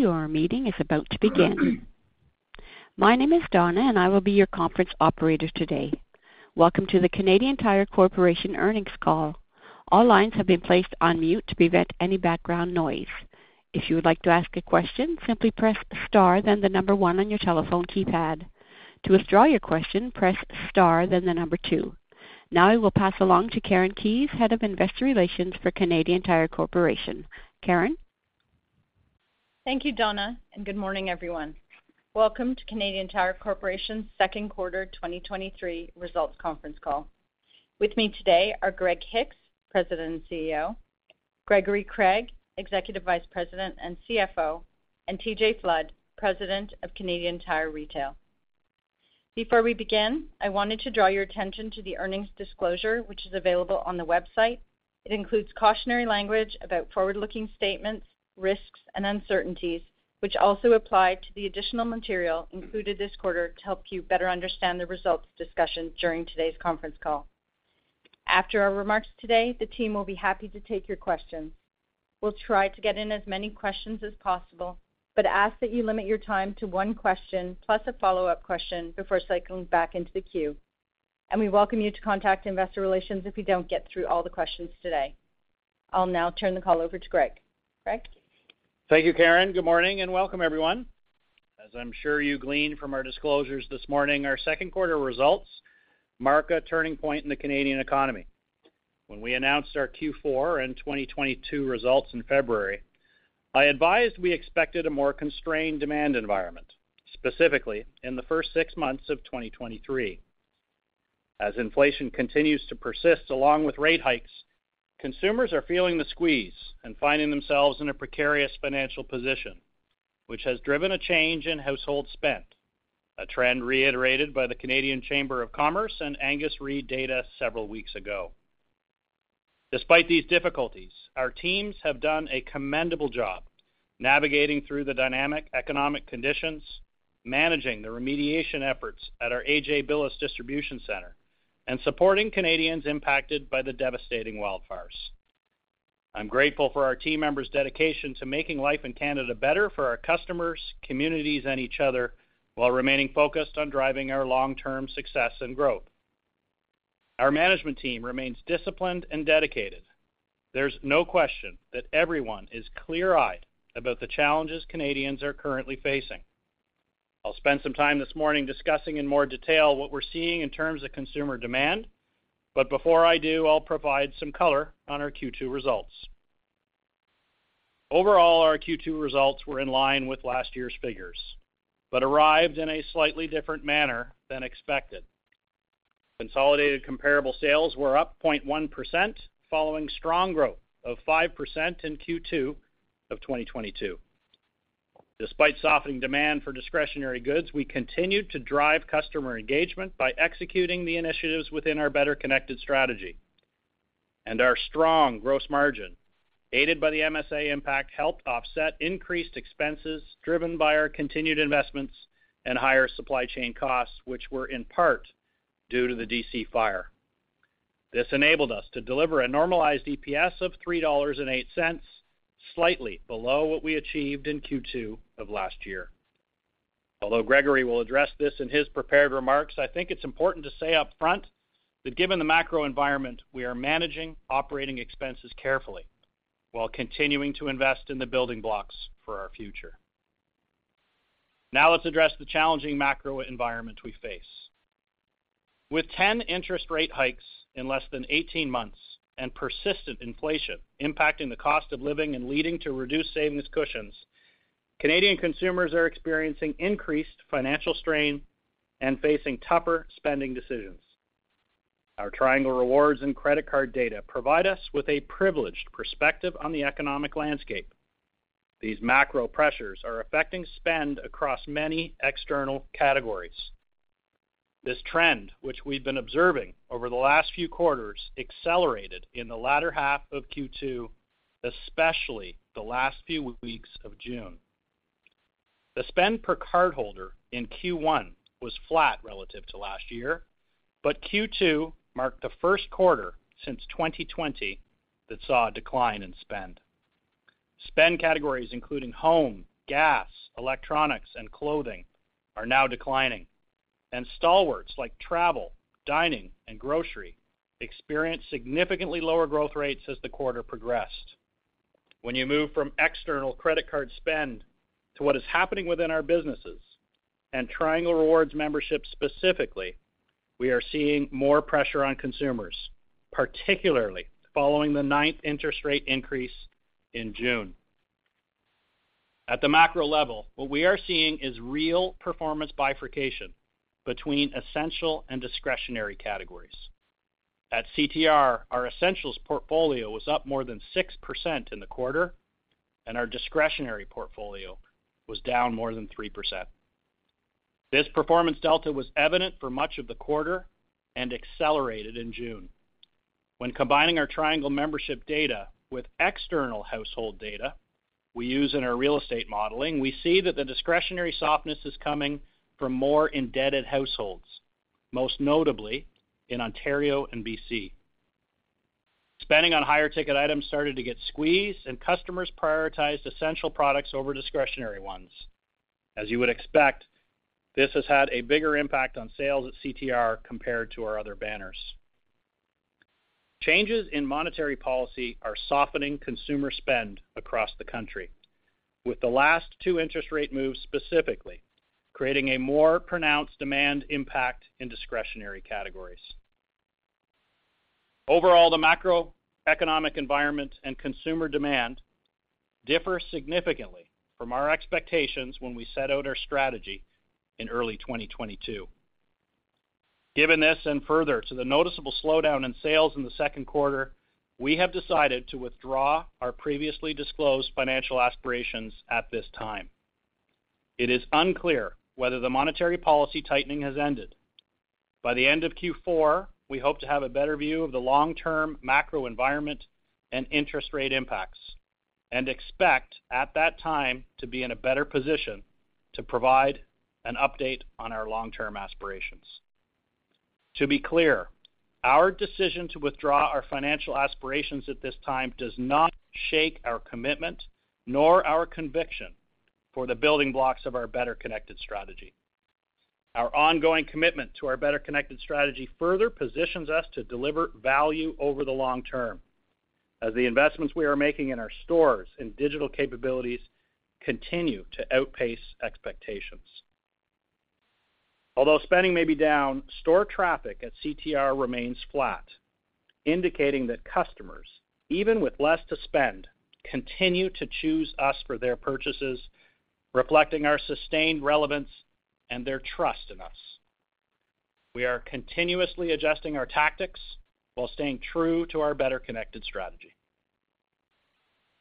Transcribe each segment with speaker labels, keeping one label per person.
Speaker 1: Your meeting is about to begin. My name is Donna, and I will be your conference operator today. Welcome to the Canadian Tire Corporation earnings call. All lines have been placed on mute to prevent any background noise. If you would like to ask a question, simply press star, then the number one on your telephone keypad. To withdraw your question, press star, then the number two. Now, I will pass along to Karen Keyes, Head of Investor Relations for Canadian Tire Corporation. Karen?
Speaker 2: Thank you, Donna, and good morning, everyone. Welcome to Canadian Tire Corporation's second quarter 2023 results conference call. With me today are Greg Hicks, President and CEO, Gregory Craig, Executive Vice President and CFO, and TJ Flood, President of Canadian Tire Retail. Before we begin, I wanted to draw your attention to the earnings disclosure, which is available on the website. It includes cautionary language about forward-looking statements, risks, and uncertainties, which also apply to the additional material included this quarter to help you better understand the results discussion during today's conference call. After our remarks today, the team will be happy to take your questions. We'll try to get in as many questions as possible, but ask that you limit your time to one question, plus a follow-up question before cycling back into the queue. We welcome you to contact Investor Relations if we don't get through all the questions today. I'll now turn the call over to Greg. Greg?
Speaker 3: Thank you, Karen. Good morning, and welcome, everyone. As I'm sure you gleaned from our disclosures this morning, our second quarter results mark a turning point in the Canadian economy. When we announced our Q4 and 2022 results in February, I advised we expected a more constrained demand environment, specifically in the first 6 months of 2023. As inflation continues to persist along with rate hikes, consumers are feeling the squeeze and finding themselves in a precarious financial position, which has driven a change in household spend, a trend reiterated by the Canadian Chamber of Commerce and Angus Reid data several weeks ago. Despite these difficulties, our teams have done a commendable job navigating through the dynamic economic conditions, managing the remediation efforts at our A.J. Billes Distribution Centre, and supporting Canadians impacted by the devastating wildfires. I'm grateful for our team members' dedication to making life in Canada better for our customers, communities, and each other, while remaining focused on driving our long-term success and growth. Our management team remains disciplined and dedicated. There's no question that everyone is clear-eyed about the challenges Canadians are currently facing. I'll spend some time this morning discussing in more detail what we're seeing in terms of consumer demand, before I do, I'll provide some color on our Q2 results. Overall, our Q2 results were in line with last year's figures, arrived in a slightly different manner than expected. Consolidated comparable sales were up 0.1%, following strong growth of 5% in Q2 of 2022. Despite softening demand for discretionary goods, we continued to drive customer engagement by executing the initiatives within our Better Connected strategy. Our strong gross margin, aided by the MSA impact, helped offset increased expenses driven by our continued investments and higher supply chain costs, which were in part due to the DC fire. This enabled us to deliver a normalized EPS of 3.08 dollars, slightly below what we achieved in Q2 of last year. Although Gregory will address this in his prepared remarks, I think it's important to say upfront that given the macro environment, we are managing operating expenses carefully while continuing to invest in the building blocks for our future. Let's address the challenging macro environment we face. With 10 interest rate hikes in less than 18 months and persistent inflation impacting the cost of living and leading to reduced savings cushions, Canadian consumers are experiencing increased financial strain and facing tougher spending decisions. Our Triangle Rewards and credit card data provide us with a privileged perspective on the economic landscape. These macro pressures are affecting spend across many external categories. This trend, which we've been observing over the last few quarters, accelerated in the latter half of Q2, especially the last few weeks of June. The spend per cardholder in Q1 was flat relative to last year, but Q2 marked the first quarter since 2020 that saw a decline in spend. Spend categories, including home, gas, electronics, and clothing, are now declining, and stalwarts like travel, dining, and grocery experienced significantly lower growth rates as the quarter progressed. When you move from external credit card spend to what is happening within our businesses and Triangle Rewards membership, specifically, we are seeing more pressure on consumers, particularly following the ninth interest rate increase in June. At the macro level, what we are seeing is real performance bifurcation between essential and discretionary categories. At CTR, our essentials portfolio was up more than 6% in the quarter, and our discretionary portfolio was down more than 3%. This performance delta was evident for much of the quarter and accelerated in June. When combining our Triangle membership data with external household data we use in our real estate modeling, we see that the discretionary softness is coming from more indebted households, most notably in Ontario and BC. Spending on higher ticket items started to get squeezed, and customers prioritized essential products over discretionary ones. As you would expect, this has had a bigger impact on sales at CTR compared to our other banners. Changes in monetary policy are softening consumer spend across the country, with the last two interest rate moves specifically, creating a more pronounced demand impact in discretionary categories. Overall, the macroeconomic environment and consumer demand differ significantly from our expectations when we set out our strategy in early 2022. Given this, further to the noticeable slowdown in sales in the second quarter, we have decided to withdraw our previously disclosed financial aspirations at this time. It is unclear whether the monetary policy tightening has ended. By the end of Q4, we hope to have a better view of the long-term macro environment and interest rate impacts, and expect, at that time, to be in a better position to provide an update on our long-term aspirations. To be clear, our decision to withdraw our financial aspirations at this time does not shake our commitment, nor our conviction, for the building blocks of our Better Connected strategy. Our ongoing commitment to our Better Connected strategy further positions us to deliver value over the long term, as the investments we are making in our stores and digital capabilities continue to outpace expectations. Although spending may be down, store traffic at CTR remains flat, indicating that customers, even with less to spend, continue to choose us for their purchases, reflecting our sustained relevance and their trust in us. We are continuously adjusting our tactics while staying true to our Better Connected strategy.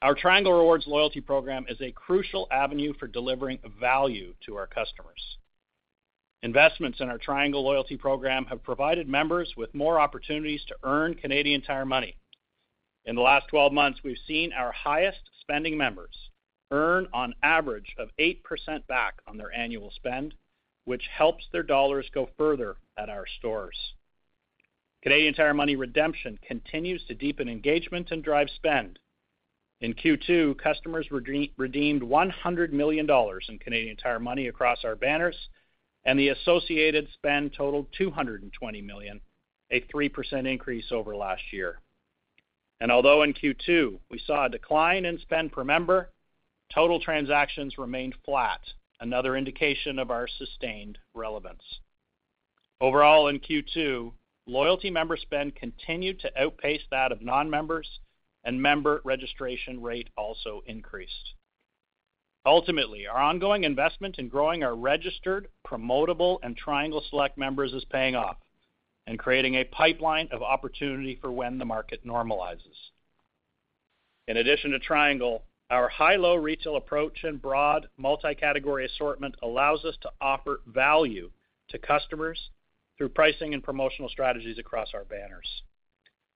Speaker 3: Our Triangle Rewards loyalty program is a crucial avenue for delivering value to our customers. Investments in our Triangle Loyalty program have provided members with more opportunities to earn Canadian Tire Money. In the last 12 months, we've seen our highest spending members earn on average of 8% back on their annual spend, which helps their dollars go further at our stores. Canadian Tire Money redemption continues to deepen engagement and drive spend. In Q2, customers redeemed 100 million dollars in Canadian Tire Money across our banners, the associated spend totaled 220 million, a 3% increase over last year. Although in Q2, we saw a decline in spend per member, total transactions remained flat, another indication of our sustained relevance. Overall, in Q2, loyalty member spend continued to outpace that of non-members, and member registration rate also increased. Ultimately, our ongoing investment in growing our registered, promotable, and Triangle Select members is paying off and creating a pipeline of opportunity for when the market normalizes. In addition to Triangle, our high-low retail approach and broad multi-category assortment allows us to offer value to customers through pricing and promotional strategies across our banners.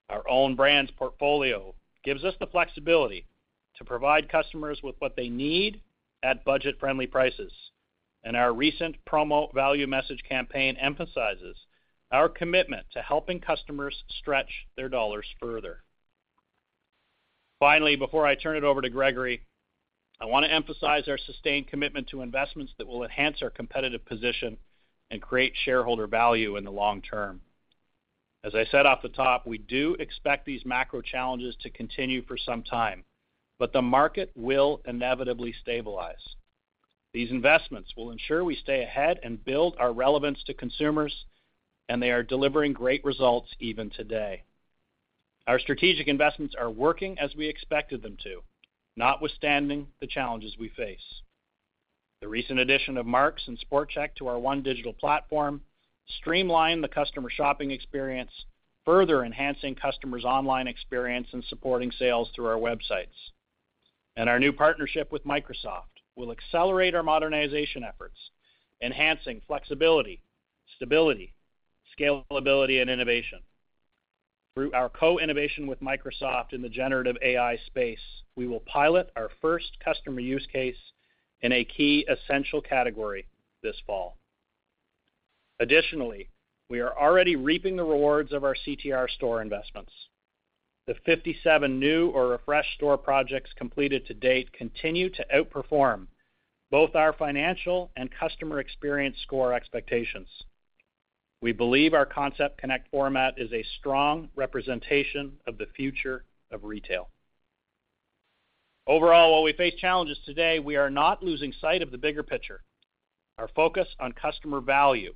Speaker 3: Our own brands portfolio gives us the flexibility to provide customers with what they need at budget-friendly prices, and our recent promo value message campaign emphasizes our commitment to helping customers stretch their dollars further. Finally, before I turn it over to Gregory, I want to emphasize our sustained commitment to investments that will enhance our competitive position and create shareholder value in the long term. As I said off the top, we do expect these macro challenges to continue for some time, but the market will inevitably stabilize. These investments will ensure we stay ahead and build our relevance to consumers, and they are delivering great results even today. Our strategic investments are working as we expected them to, notwithstanding the challenges we face. The recent addition of Mark's and Sport Chek to our One Digital Platform streamline the customer shopping experience, further enhancing customers' online experience and supporting sales through our websites. Our new partnership with Microsoft will accelerate our modernization efforts, enhancing flexibility, stability, scalability, and innovation. Through our co-innovation with Microsoft in the generative AI space, we will pilot our first customer use case in a key essential category this fall. Additionally, we are already reaping the rewards of our CTR store investments. The 57 new or refreshed store projects completed to date continue to outperform both our financial and customer experience score expectations. We believe our Concept Connect format is a strong representation of the future of retail. Overall, while we face challenges today, we are not losing sight of the bigger picture. Our focus on customer value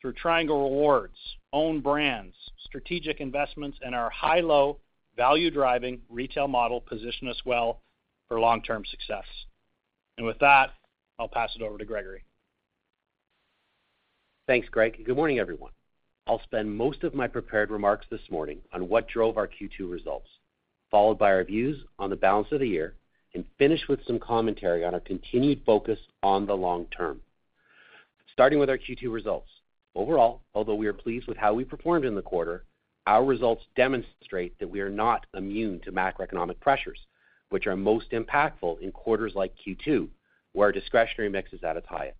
Speaker 3: through Triangle Rewards, own brands, strategic investments, and our high-low value-driving retail model position us well for long-term success. With that, I'll pass it over to Gregory.
Speaker 4: Thanks, Greg, good morning, everyone. I'll spend most of my prepared remarks this morning on what drove our Q2 results, followed by our views on the balance of the year, finish with some commentary on our continued focus on the long term. Starting with our Q2 results. Overall, although we are pleased with how we performed in the quarter, our results demonstrate that we are not immune to macroeconomic pressures, which are most impactful in quarters like Q2, where our discretionary mix is at its highest.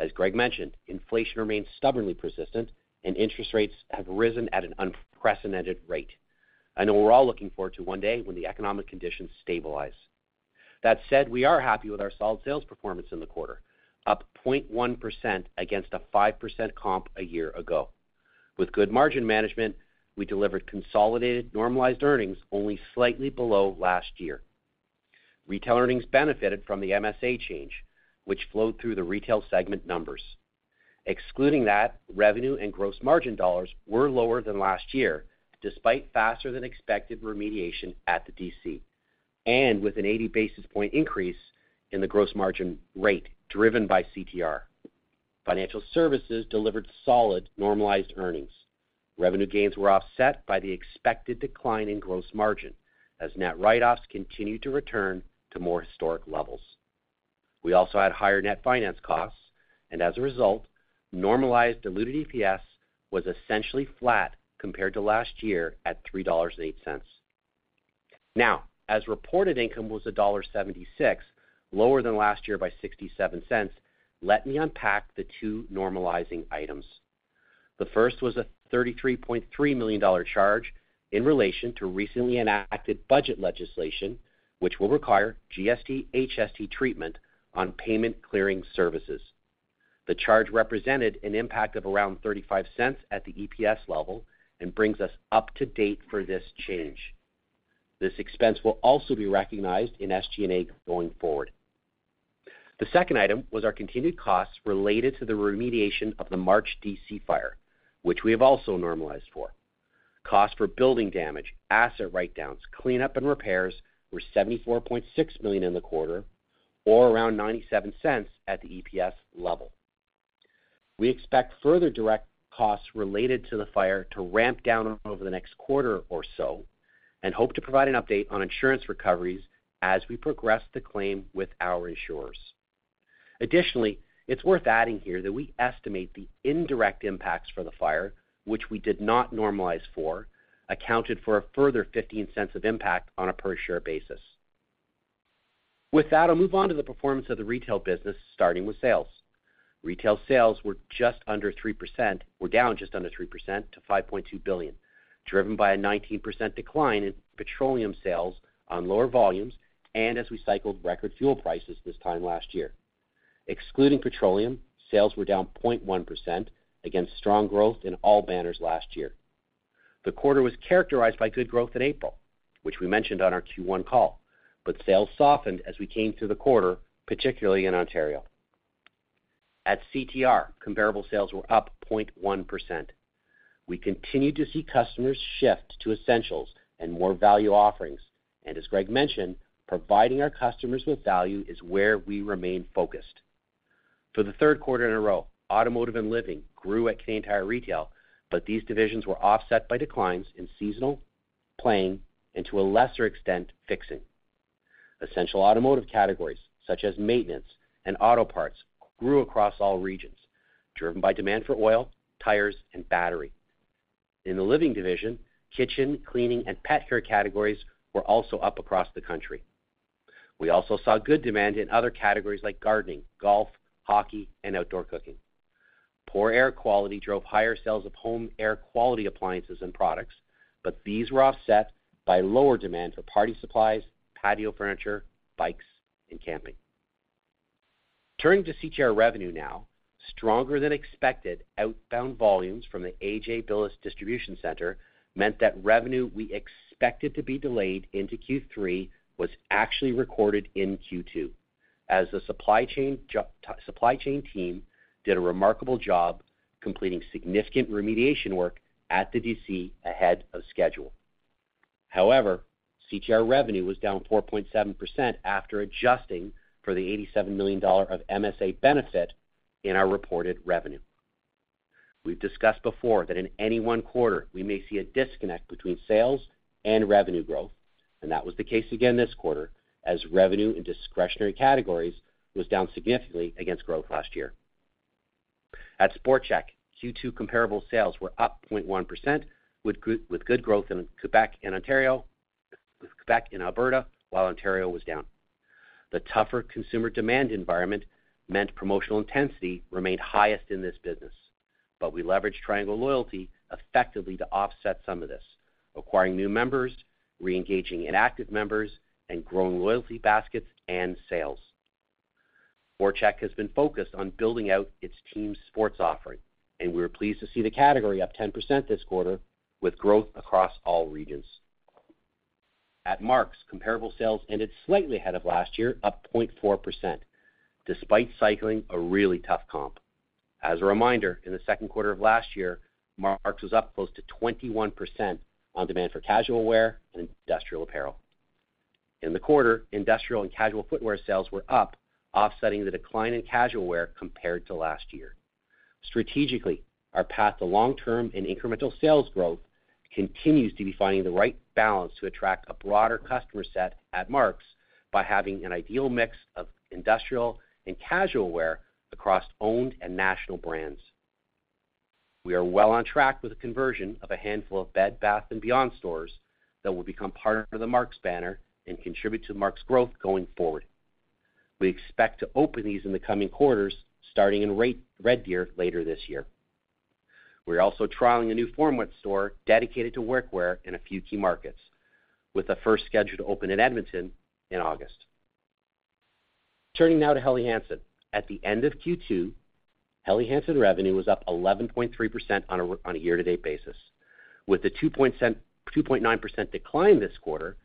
Speaker 4: As Greg mentioned, inflation remains stubbornly persistent and interest rates have risen at an unprecedented rate. I know we're all looking forward to one day when the economic conditions stabilize. That said, we are happy with our solid sales performance in the quarter, up 0.1% against a 5% comp a year ago. With good margin management, we delivered consolidated normalized earnings only slightly below last year. Retail earnings benefited from the MSA change, which flowed through the retail segment numbers. Excluding that, revenue and gross margin dollars were lower than last year, despite faster than expected remediation at the DC, with an 80 basis point increase in the gross margin rate, driven by CTR. Financial services delivered solid normalized earnings. Revenue gains were offset by the expected decline in gross margin, as net write-offs continued to return to more historic levels. We also had higher net finance costs, as a result, normalized diluted EPS was essentially flat compared to last year at 3.08 dollars. Now, as reported, income was dollar 1.76, lower than last year by 0.67. Let me unpack the two normalizing items. The first was a 33.3 million dollar charge in relation to recently enacted budget legislation, which will require GST/HST treatment on payment clearing services. The charge represented an impact of around 0.35 at the EPS level and brings us up to date for this change. This expense will also be recognized in SG&A going forward. The second item was our continued costs related to the remediation of the March DC fire, which we have also normalized for. Costs for building damage, asset write-downs, cleanup and repairs were 74.6 million in the quarter, or around 0.97 at the EPS level. We expect further direct costs related to the fire to ramp down over the next quarter or so, and hope to provide an update on insurance recoveries as we progress the claim with our insurers. Additionally, it's worth adding here that we estimate the indirect impacts for the fire, which we did not normalize for, accounted for a further 0.15 of impact on a per-share basis. With that, I'll move on to the performance of the retail business, starting with sales. Retail sales were just under 3%-- were down just under 3% to 5.2 billion, driven by a 19% decline in petroleum sales on lower volumes and as we cycled record fuel prices this time last year. Excluding petroleum, sales were down 0.1% against strong growth in all banners last year. The quarter was characterized by good growth in April, which we mentioned on our Q1 call. Sales softened as we came through the quarter, particularly in Ontario. At CTR, comparable sales were up 0.1%. We continued to see customers shift to essentials and more value offerings. As Greg mentioned, providing our customers with value is where we remain focused. For the third quarter in a row, automotive and living grew at Canadian Tire Retail. These divisions were offset by declines in seasonal, playing, and to a lesser extent, fixing. Essential automotive categories such as maintenance and auto parts grew across all regions, driven by demand for oil, tires, and battery. In the living division, kitchen, cleaning, and pet care categories were also up across the country. We also saw good demand in other categories like gardening, golf, hockey, and outdoor cooking. Poor air quality drove higher sales of home air quality appliances and products. These were offset by lower demand for party supplies, patio furniture, bikes, and camping. Turning to CTR revenue now, stronger than expected outbound volumes from the A.J. Billes Distribution Centre meant that revenue we expected to be delayed into Q3 was actually recorded in Q2, as the supply chain supply chain team did a remarkable job completing significant remediation work at the DC ahead of schedule. CTR revenue was down 4.7% after adjusting for the $87 million of MSA benefit in our reported revenue. We've discussed before that in any one quarter, we may see a disconnect between sales and revenue growth, and that was the case again this quarter, as revenue in discretionary categories was down significantly against growth last year. At Sport Chek, Q2 comparable sales were up 0.1%, with good growth in Quebec and Ontario, with Quebec and Alberta, while Ontario was down. The tougher consumer demand environment meant promotional intensity remained highest in this business, but we leveraged Triangle Loyalty effectively to offset some of this, acquiring new members, reengaging inactive members, and growing loyalty baskets and sales. Sport Chek has been focused on building out its team sports offering, and we were pleased to see the category up 10% this quarter, with growth across all regions. At Mark's, comparable sales ended slightly ahead of last year, up 0.4%, despite cycling a really tough comp. As a reminder, in the second quarter of last year, Mark's was up close to 21% on demand for casual wear and industrial apparel. In the quarter, industrial and casual footwear sales were up, offsetting the decline in casual wear compared to last year. Strategically, our path to long-term and incremental sales growth continues to be finding the right balance to attract a broader customer set at Mark's by having an ideal mix of industrial and casual wear across owned and national brands. We are well on track with the conversion of a handful of Bed Bath & Beyond stores that will become part of the Mark's banner and contribute to Mark's growth going forward. We expect to open these in the coming quarters, starting in Red Deer later this year. We're also trialing a new format store dedicated to workwear in a few key markets, with the first scheduled to open in Edmonton in August. Turning now to Helly Hansen. At the end of Q2, Helly Hansen revenue was up 11.3% on a year-to-date basis, with a 2.9% decline this quarter,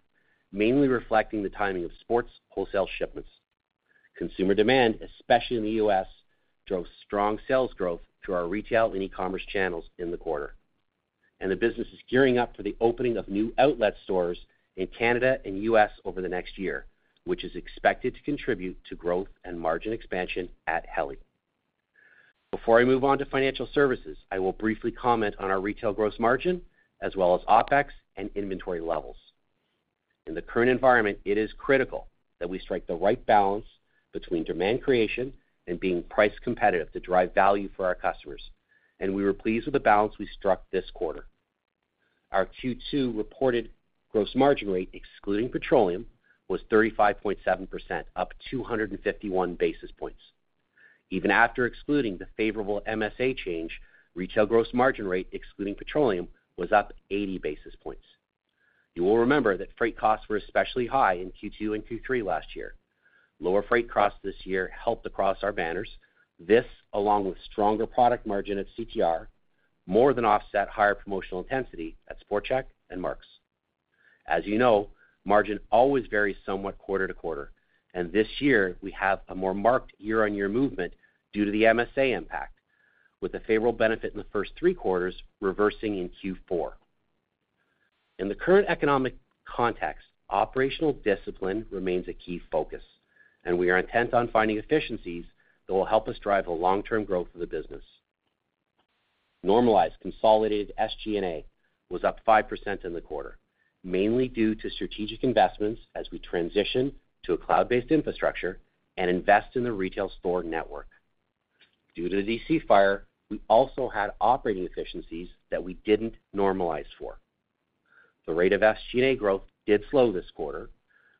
Speaker 4: mainly reflecting the timing of sports wholesale shipments. Consumer demand, especially in the US, drove strong sales growth to our retail and e-commerce channels in the quarter. The business is gearing up for the opening of new outlet stores in Canada and US over the next year, which is expected to contribute to growth and margin expansion at Helly. Before I move on to financial services, I will briefly comment on our retail gross margin, as well as OpEx and inventory levels. In the current environment, it is critical that we strike the right balance between demand creation and being price competitive to drive value for our customers, and we were pleased with the balance we struck this quarter. Our Q2 reported gross margin rate, excluding petroleum, was 35.7%, up 251 basis points. Even after excluding the favorable MSA change, retail gross margin rate, excluding petroleum, was up 80 basis points. You will remember that freight costs were especially high in Q2 and Q3 last year. Lower freight costs this year helped across our banners. This, along with stronger product margin at CTR, more than offset higher promotional intensity at Sport Chek and Mark's. As you know, margin always varies somewhat quarter to quarter, and this year we have a more marked year-on-year movement due to the MSA impact, with a favorable benefit in the first three quarters reversing in Q4. In the current economic context, operational discipline remains a key focus, and we are intent on finding efficiencies that will help us drive the long-term growth of the business. Normalized consolidated SG&A was up 5% in the quarter, mainly due to strategic investments as we transition to a cloud-based infrastructure and invest in the retail store network. Due to the DC fire, we also had operating efficiencies that we didn't normalize for. The rate of SG&A growth did slow this quarter.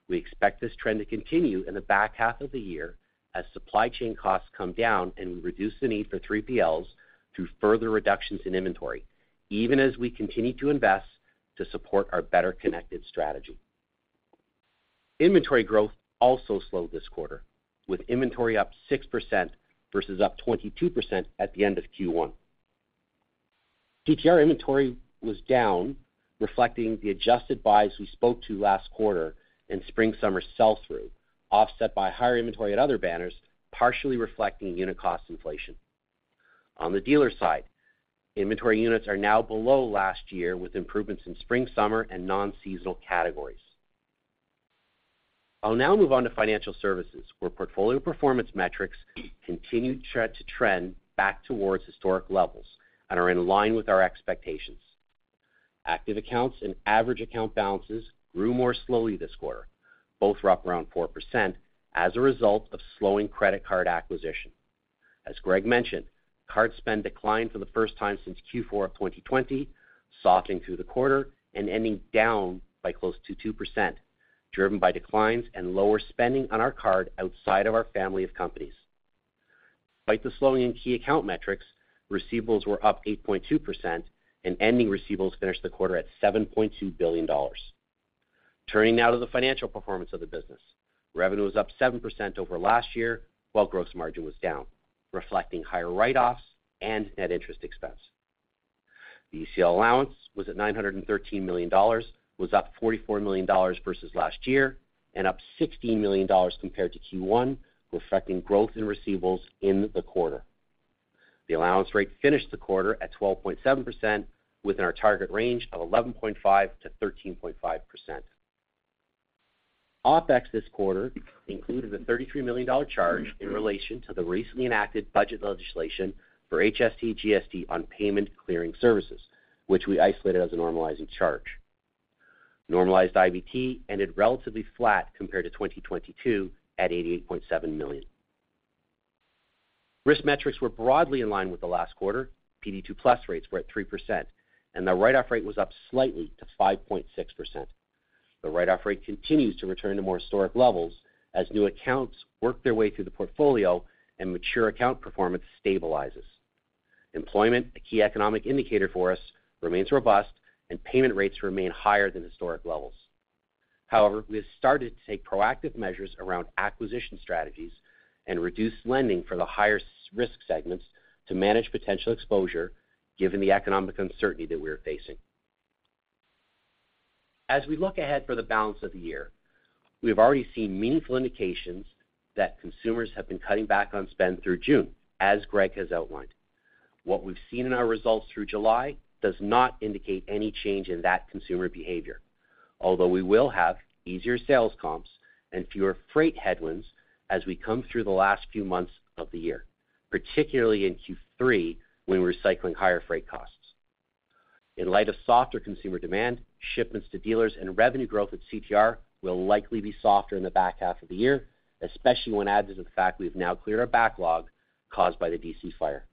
Speaker 4: We expect this trend to continue in the back half of the year as supply chain costs come down, and we reduce the need for 3PLs through further reductions in inventory, even as we continue to invest to support our Better Connected strategy. Inventory growth also slowed this quarter, with inventory up 6% versus up 22% at the end of Q1. DTR inventory was down, reflecting the adjusted buys we spoke to last quarter and spring/summer sell-through, offset by higher inventory at other banners, partially reflecting unit cost inflation. On the dealer side, inventory units are now below last year, with improvements in spring, summer, and non-seasonal categories. I'll now move on to financial services, where portfolio performance metrics continue to trend back towards historic levels and are in line with our expectations. Active accounts and average account balances grew more slowly this quarter. Both were up around 4% as a result of slowing credit card acquisition. As Greg mentioned, card spend declined for the first time since Q4 of 2020, softening through the quarter and ending down by close to 2%, driven by declines and lower spending on our card outside of our family of companies. Despite the slowing in key account metrics, receivables were up 8.2%, and ending receivables finished the quarter at 7.2 billion dollars. Turning now to the financial performance of the business. Revenue was up 7% over last year, while gross margin was down, reflecting higher write-offs and net interest expense. The ECL allowance was at 913 million dollars, was up 44 million dollars versus last year, and up 16 million dollars compared to Q1, reflecting growth in receivables in the quarter. The allowance rate finished the quarter at 12.7% within our target range of 11.5%-13.5%. OpEx this quarter included a 33 million dollar charge in relation to the recently enacted budget legislation for HST/GST on payment clearing services, which we isolated as a normalizing charge. Normalized IBT ended relatively flat compared to 2022, at 88.7 million. Risk metrics were broadly in line with the last quarter. PD2+ rates were at 3%, and the write-off rate was up slightly to 5.6%. The write-off rate continues to return to more historic levels as new accounts work their way through the portfolio and mature account performance stabilizes. Employment, a key economic indicator for us, remains robust, and payment rates remain higher than historic levels. We have started to take proactive measures around acquisition strategies and reduce lending for the higher risk segments to manage potential exposure, given the economic uncertainty that we are facing. As we look ahead for the balance of the year, we have already seen meaningful indications that consumers have been cutting back on spend through June, as Greg has outlined. What we've seen in our results through July does not indicate any change in that consumer behavior, although we will have easier sales comps and fewer freight headwinds as we come through the last few months of the year, particularly in Q3, when we're cycling higher freight costs. In light of softer consumer demand, shipments to dealers and revenue growth at CTR will likely be softer in the back half of the year, especially when added to the fact we've now cleared our backlog caused by the DC fire.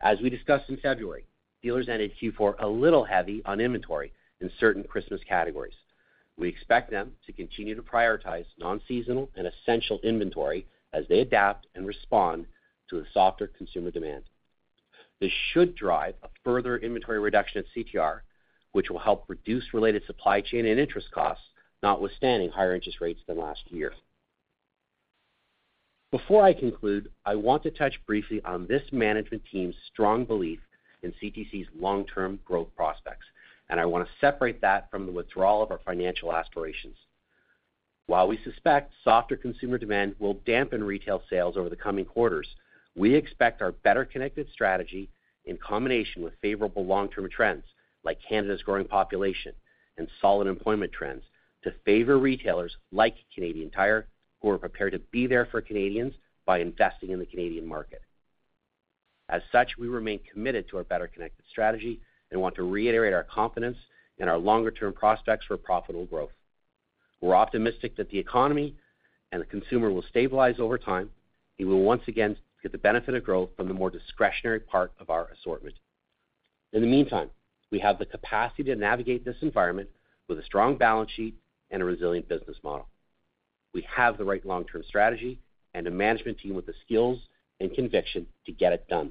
Speaker 4: As we discussed in February, dealers ended Q4 a little heavy on inventory in certain Christmas categories. We expect them to continue to prioritize non-seasonal and essential inventory as they adapt and respond to a softer consumer demand. This should drive a further inventory reduction at CTR, which will help reduce related supply chain and interest costs, notwithstanding higher interest rates than last year. Before I conclude, I want to touch briefly on this management team's strong belief in CTC's long-term growth prospects. I want to separate that from the withdrawal of our financial aspirations. While we suspect softer consumer demand will dampen retail sales over the coming quarters, we expect our Better Connected strategy, in combination with favorable long-term trends, like Canada's growing population and solid employment trends, to favor retailers like Canadian Tire, who are prepared to be there for Canadians by investing in the Canadian market. As such, we remain committed to our Better Connected strategy and want to reiterate our confidence in our longer-term prospects for profitable growth. We're optimistic that the economy and the consumer will stabilize over time, and we will once again get the benefit of growth from the more discretionary part of our assortment. In the meantime, we have the capacity to navigate this environment with a strong balance sheet and a resilient business model. We have the right long-term strategy and a management team with the skills and conviction to get it done.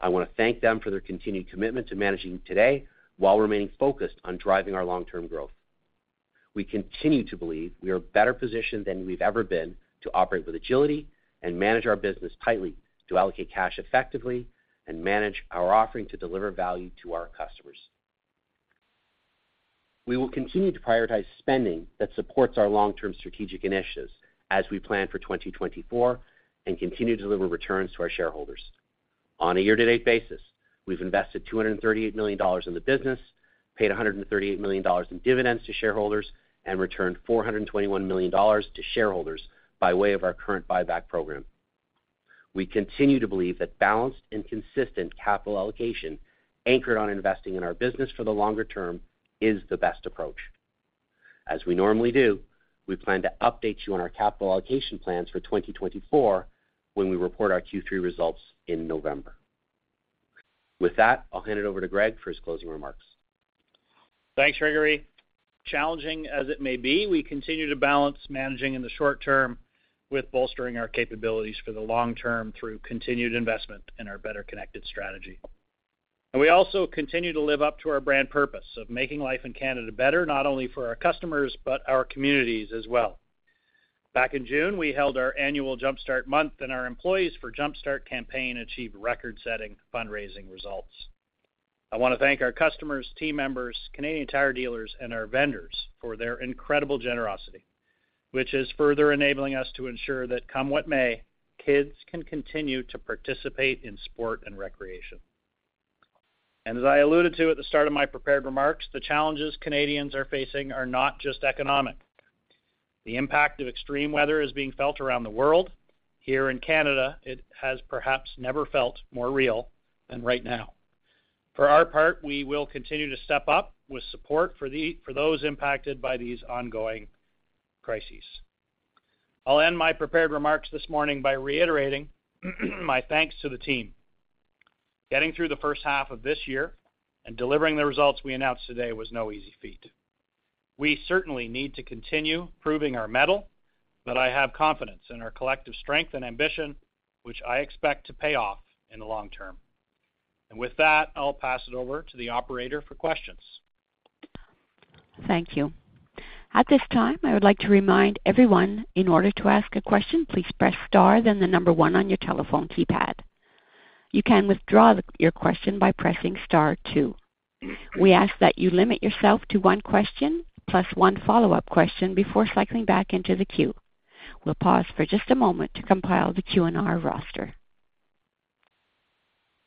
Speaker 4: I want to thank them for their continued commitment to managing today while remaining focused on driving our long-term growth. We continue to believe we are better positioned than we've ever been to operate with agility and manage our business tightly, to allocate cash effectively and manage our offering to deliver value to our customers. We will continue to prioritize spending that supports our long-term strategic initiatives as we plan for 2024 and continue to deliver returns to our shareholders. On a year-to-date basis, we've invested 238 million dollars in the business, paid 138 million dollars in dividends to shareholders, and returned 421 million dollars to shareholders by way of our current buyback program. We continue to believe that balanced and consistent capital allocation, anchored on investing in our business for the longer term, is the best approach. As we normally do, we plan to update you on our capital allocation plans for 2024 when we report our Q3 results in November. With that, I'll hand it over to Greg for his closing remarks.
Speaker 3: Thanks, Gregory. Challenging as it may be, we continue to balance managing in the short term with bolstering our capabilities for the long term through continued investment in our Better Connected strategy. We also continue to live up to our brand purpose of making life in Canada better, not only for our customers, but our communities as well. Back in June, we held our annual Jumpstart Month, and our Employees for Jumpstart campaign achieved record-setting fundraising results. I want to thank our customers, team members, Canadian Tire dealers, and our vendors for their incredible generosity, which is further enabling us to ensure that come what may, kids can continue to participate in sport and recreation. As I alluded to at the start of my prepared remarks, the challenges Canadians are facing are not just economic. The impact of extreme weather is being felt around the world. Here in Canada, it has perhaps never felt more real than right now. For our part, we will continue to step up with support for those impacted by these ongoing crises. I'll end my prepared remarks this morning by reiterating my thanks to the team. Getting through the first half of this year and delivering the results we announced today was no easy feat. We certainly need to continue proving our mettle, but I have confidence in our collective strength and ambition, which I expect to pay off in the long term. With that, I'll pass it over to the operator for questions.
Speaker 1: Thank you. At this time, I would like to remind everyone, in order to ask a question, please press star, then the number one on your telephone keypad. You can withdraw your question by pressing star two. We ask that you limit yourself to one question, +1 follow-up question before cycling back into the queue. We'll pause for just a moment to compile the Q&R roster.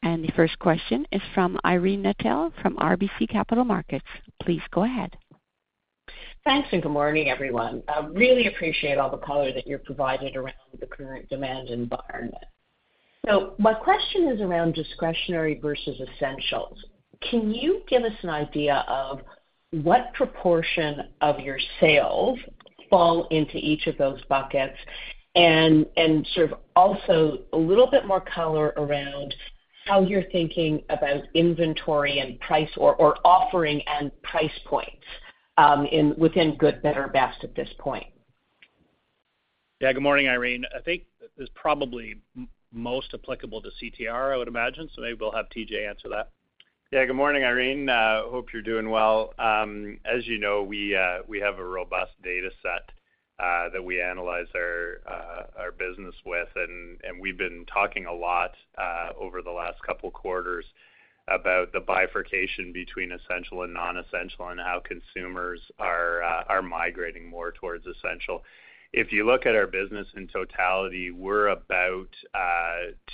Speaker 1: The first question is from Irene Nattel from RBC Capital Markets. Please go ahead.
Speaker 5: Thanks. Good morning, everyone. I really appreciate all the color that you're providing around the current demand environment. My question is around discretionary versus essentials. Can you give us an idea of what proportion of your sales fall into each of those buckets? Sort of also a little bit more color around how you're thinking about inventory and price or, offering and price points within good, better, best at this point.
Speaker 3: Yeah. Good morning, Irene. I think this is probably most applicable to CTR, I would imagine, so maybe we'll have TJ answer that.
Speaker 6: Yeah. Good morning, Irene. Hope you're doing well. As you know, we have a robust data set that we analyze our business with, and, and we've been talking a lot over the last couple of quarters about the bifurcation between essential and non-essential and how consumers are migrating more towards essential. If you look at our business in totality, we're about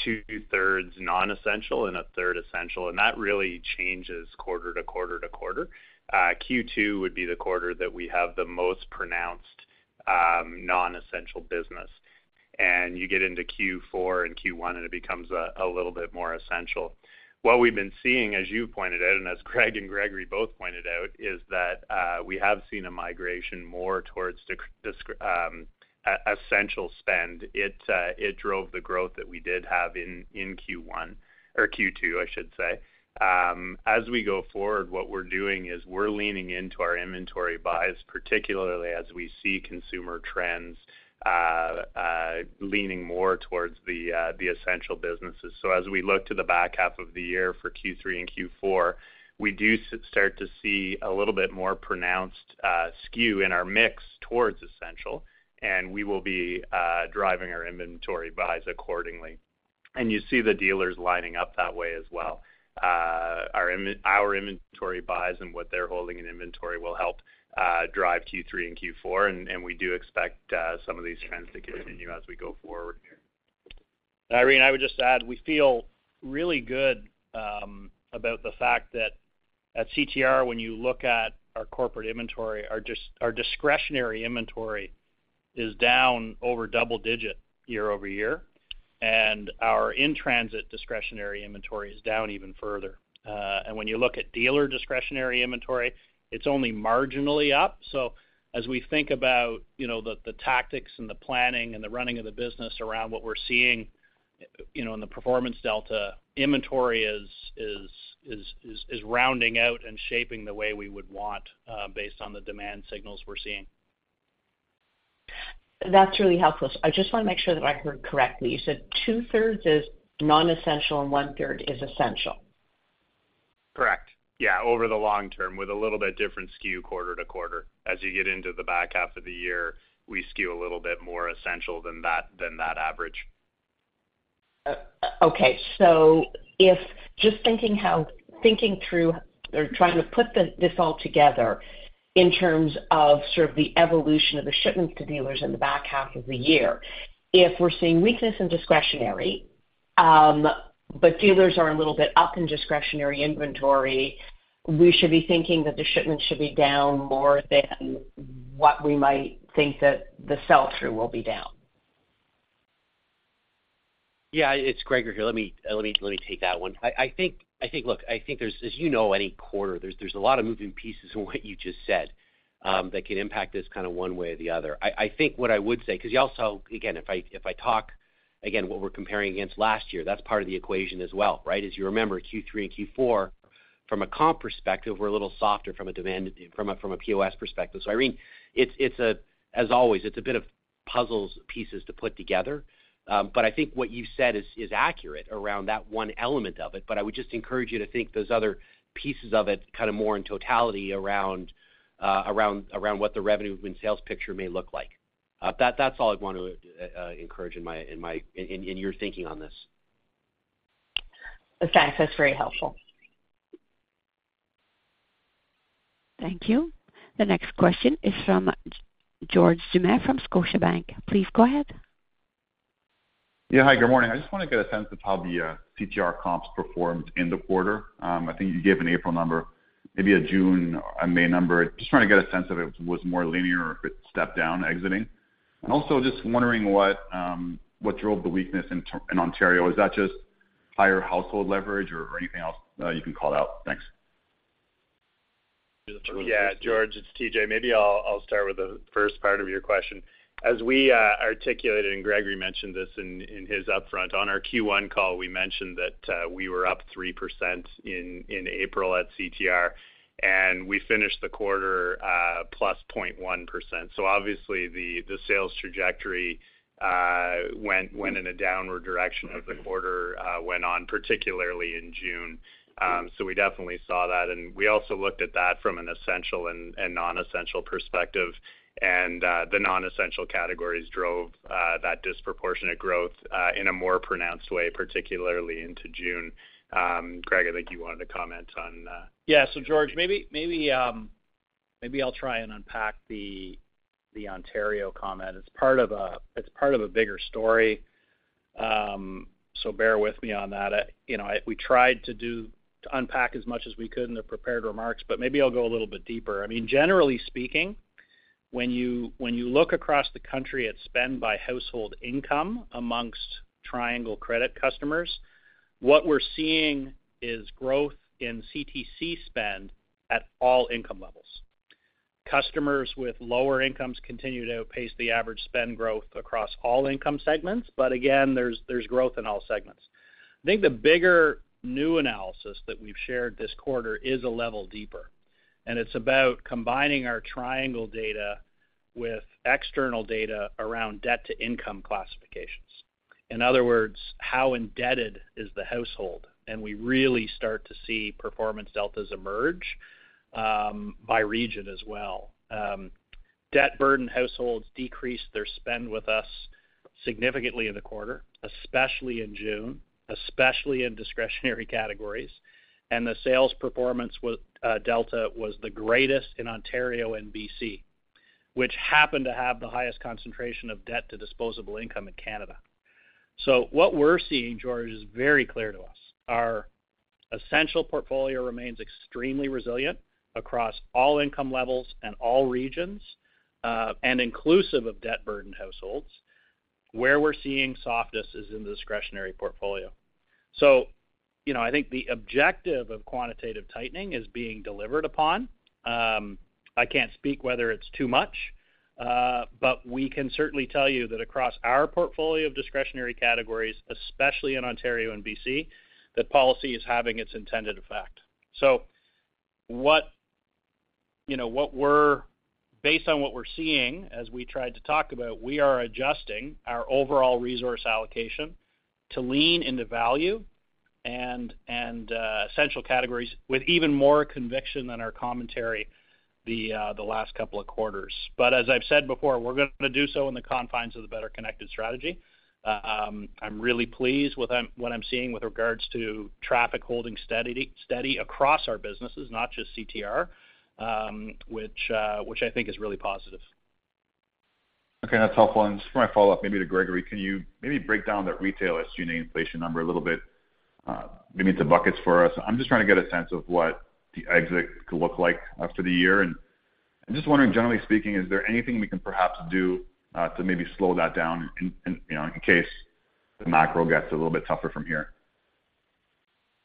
Speaker 6: two-thirds non-essential and a third essential, and that really changes quarter to quarter to quarter. Q2 would be the quarter that we have the most pronounced... nonessential business, and you get into Q4 and Q1, and it becomes a little bit more essential. What we've been seeing, as you pointed out, and as Greg and Gregory both pointed out, is that we have seen a migration more towards essential spend. It, it drove the growth that we did have in, in Q1 or Q2, I should say. As we go forward, what we're doing is we're leaning into our inventory buys, particularly as we see consumer trends, leaning more towards the essential businesses. As we look to the back half of the year for Q3 and Q4, we do start to see a little bit more pronounced, SKU in our mix towards essential, and we will be driving our inventory buys accordingly. You see the dealers lining up that way as well. Our inventory buys and what they're holding in inventory will help drive Q3 and Q4, and, and we do expect some of these trends to continue as we go forward.
Speaker 3: Irene, I would just add, we feel really good about the fact that at CTR, when you look at our corporate inventory, our discretionary inventory is down over double-digit year-over-year, and our in-transit discretionary inventory is down even further. When you look at dealer discretionary inventory, it's only marginally up. As we think about, you know, the tactics and the planning and the running of the business around what we're seeing, you know, in the performance delta, inventory is rounding out and shaping the way we would want based on the demand signals we're seeing.
Speaker 5: That's really helpful. I just wanna make sure that I heard correctly. You said 2/3 is nonessential and 1/3 is essential?
Speaker 6: Correct. Yeah, over the long term, with a little bit different SKU quarter to quarter. As you get into the back half of the year, we SKU a little bit more essential than that, than that average.
Speaker 5: Okay, if... Just thinking how, thinking through or trying to put this all together in terms of sort of the evolution of the shipments to dealers in the back half of the year. If we're seeing weakness in discretionary, but dealers are a little bit up in discretionary inventory, we should be thinking that the shipments should be down more than what we might think that the sell-through will be down.
Speaker 4: Yeah, it's Gregory here. Let me take that one. I think, look, I think there's, as you know, any quarter, there's a lot of moving pieces in what you just said that can impact this kind of one way or the other. I think what I would say, because you also, again, if I talk again, what we're comparing against last year, that's part of the equation as well, right? As you remember, Q3 and Q4, from a comp perspective, we're a little softer from a demand, from a POS perspective. Irene, it's a, as always, it's a bit of puzzles pieces to put together. I think what you said is, is accurate around that one element of it, but I would just encourage you to think those other pieces of it kind of more in totality around, around, around what the revenue and sales picture may look like. That's all I'd want to, encourage in my, in my, in, in your thinking on this.
Speaker 5: Thanks. That's very helpful.
Speaker 1: Thank you. The next question is from George Doumet from Scotiabank. Please go ahead.
Speaker 7: Yeah, hi, good morning. I just want to get a sense of how the CTR comps performed in the quarter. I think you gave an April number, maybe a June, a May number. Just trying to get a sense of it, was it more linear or if it stepped down exiting? Also just wondering what drove the weakness in Ontario. Is that just higher household leverage or anything else you can call out? Thanks.
Speaker 6: Yeah, George, it's TJ. Maybe I'll, I'll start with the first part of your question. As we articulated, and Gregory mentioned this in his upfront, on our Q1 call, we mentioned that we were up 3% in April at CTR, and we finished the quarter +0.1%. Obviously, the sales trajectory went, went in a downward direction as the quarter went on, particularly in June. We definitely saw that, and we also looked at that from an essential and non-essential perspective. The non-essential categories drove that disproportionate growth in a more pronounced way, particularly into June. Greg, I think you wanted to comment on-
Speaker 3: Yeah, George, maybe, maybe, maybe I'll try and unpack the, the Ontario comment. It's part of a, it's part of a bigger story, so bear with me on that. You know, we tried to unpack as much as we could in the prepared remarks, but maybe I'll go a little bit deeper. I mean, generally speaking, when you, when you look across the country at spend by household income amongst Triangle Credit customers, what we're seeing is growth in CTC spend at all income levels. Customers with lower incomes continue to outpace the average spend growth across all income segments, but again, there's, there's growth in all segments. I think the bigger new analysis that we've shared this quarter is a level deeper, and it's about combining our Triangle data with external data around debt-to-income classifications. In other words, how indebted is the household? We really start to see performance deltas emerge by region as well. Debt-burdened households decreased their spend with us significantly in the quarter, especially in June, especially in discretionary categories. The sales performance with Delta was the greatest in Ontario and BC, which happened to have the highest concentration of debt to disposable income in Canada. What we're seeing, George, is very clear to us. Our essential portfolio remains extremely resilient across all income levels and all regions and inclusive of debt-burdened households. Where we're seeing softness is in the discretionary portfolio. You know, I think the objective of quantitative tightening is being delivered upon. I can't speak whether it's too much, but we can certainly tell you that across our portfolio of discretionary categories, especially in Ontario and BC, that policy is having its intended effect. What, you know, based on what we're seeing, as we tried to talk about, we are adjusting our overall resource allocation to lean into value and essential categories with even more conviction than our commentary, the last couple of quarters. As I've said before, we're gonna do so in the confines of the Better Connected strategy. I'm really pleased with what I'm seeing with regards to traffic holding steady, steady across our businesses, not just CTR, which I think is really positive.
Speaker 7: Okay, that's helpful. Just for my follow-up, maybe to Gregory, can you maybe break down that retail SG&A inflation number a little bit, maybe into buckets for us? I'm just trying to get a sense of what the exit could look like after the year. I'm just wondering, generally speaking, is there anything we can perhaps do to maybe slow that down in, in, you know, in case the macro gets a little bit tougher from here?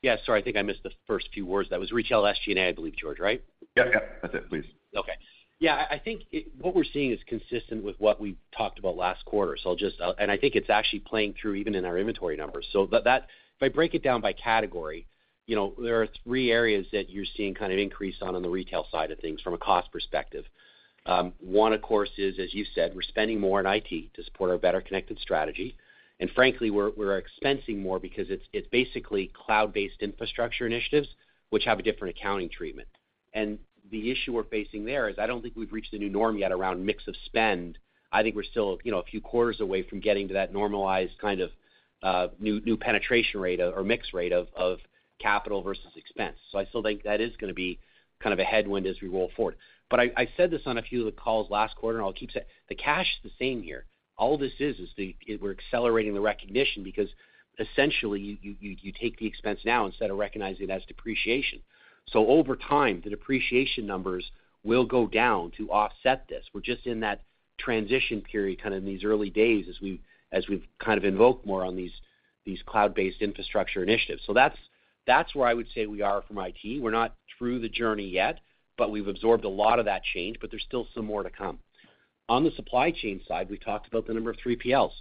Speaker 4: Yeah, sorry, I think I missed the first few words. That was retail SG&A, I believe, George, right?
Speaker 7: Yep, yep. That's it, please.
Speaker 4: Okay. Yeah, I, I think what we're seeing is consistent with what we talked about last quarter, so I'll just... I think it's actually playing through even in our inventory numbers. That, if I break it down by category, you know, there are three areas that you're seeing kind of increase on, on the retail side of things from a cost perspective. One, of course, is, as you said, we're spending more on IT to support our Better Connected strategy. Frankly, we're, we're expensing more because it's, it's basically cloud-based infrastructure initiatives, which have a different accounting treatment. The issue we're facing there is I don't think we've reached the new norm yet around mix of spend. I think we're still, you know, a few quarters away from getting to that normalized kind of, new, new penetration rate or mix rate of, of capital versus expense. I still think that is gonna be kind of a headwind as we roll forward. I, I said this on a few of the calls last quarter, and I'll keep saying, the cash is the same here. All this is, is we're accelerating the recognition because essentially, you take the expense now instead of recognizing it as depreciation. Over time, the depreciation numbers will go down to offset this. We're just in that transition period, kind of in these early days as we've kind of invoked more on these cloud-based infrastructure initiatives. That's where I would say we are from IT. We're not through the journey yet, but we've absorbed a lot of that change, but there's still some more to come. On the supply chain side, we talked about the number of 3PLs.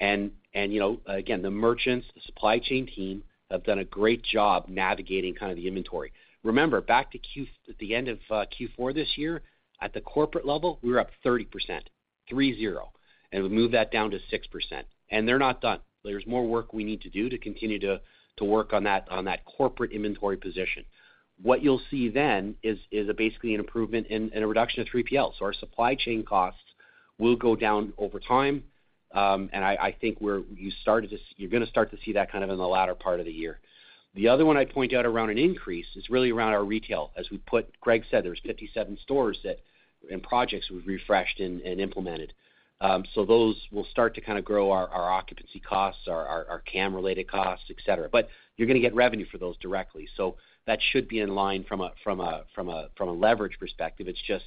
Speaker 4: You know, again, the merchants, the supply chain team, have done a great job navigating kind of the inventory. Remember, back to Q, the end of Q4 this year, at the corporate level, we were up 30%, and we moved that down to 6%, and they're not done. There's more work we need to do to continue to work on that, on that corporate inventory position. What you'll see is a basically an improvement in a reduction of 3PL. Our supply chain costs will go down over time, and I, I think you're gonna start to see that kind of in the latter part of the year. The other one I'd point out around an increase is really around our retail. As we put, Greg said, there's 57 stores that, and projects we've refreshed and implemented. Those will start to kind of grow our, our occupancy costs, our, our, our CAM-related costs, et cetera. You're gonna get revenue for those directly, so that should be in line from a, from a, from a, from a leverage perspective. It's just,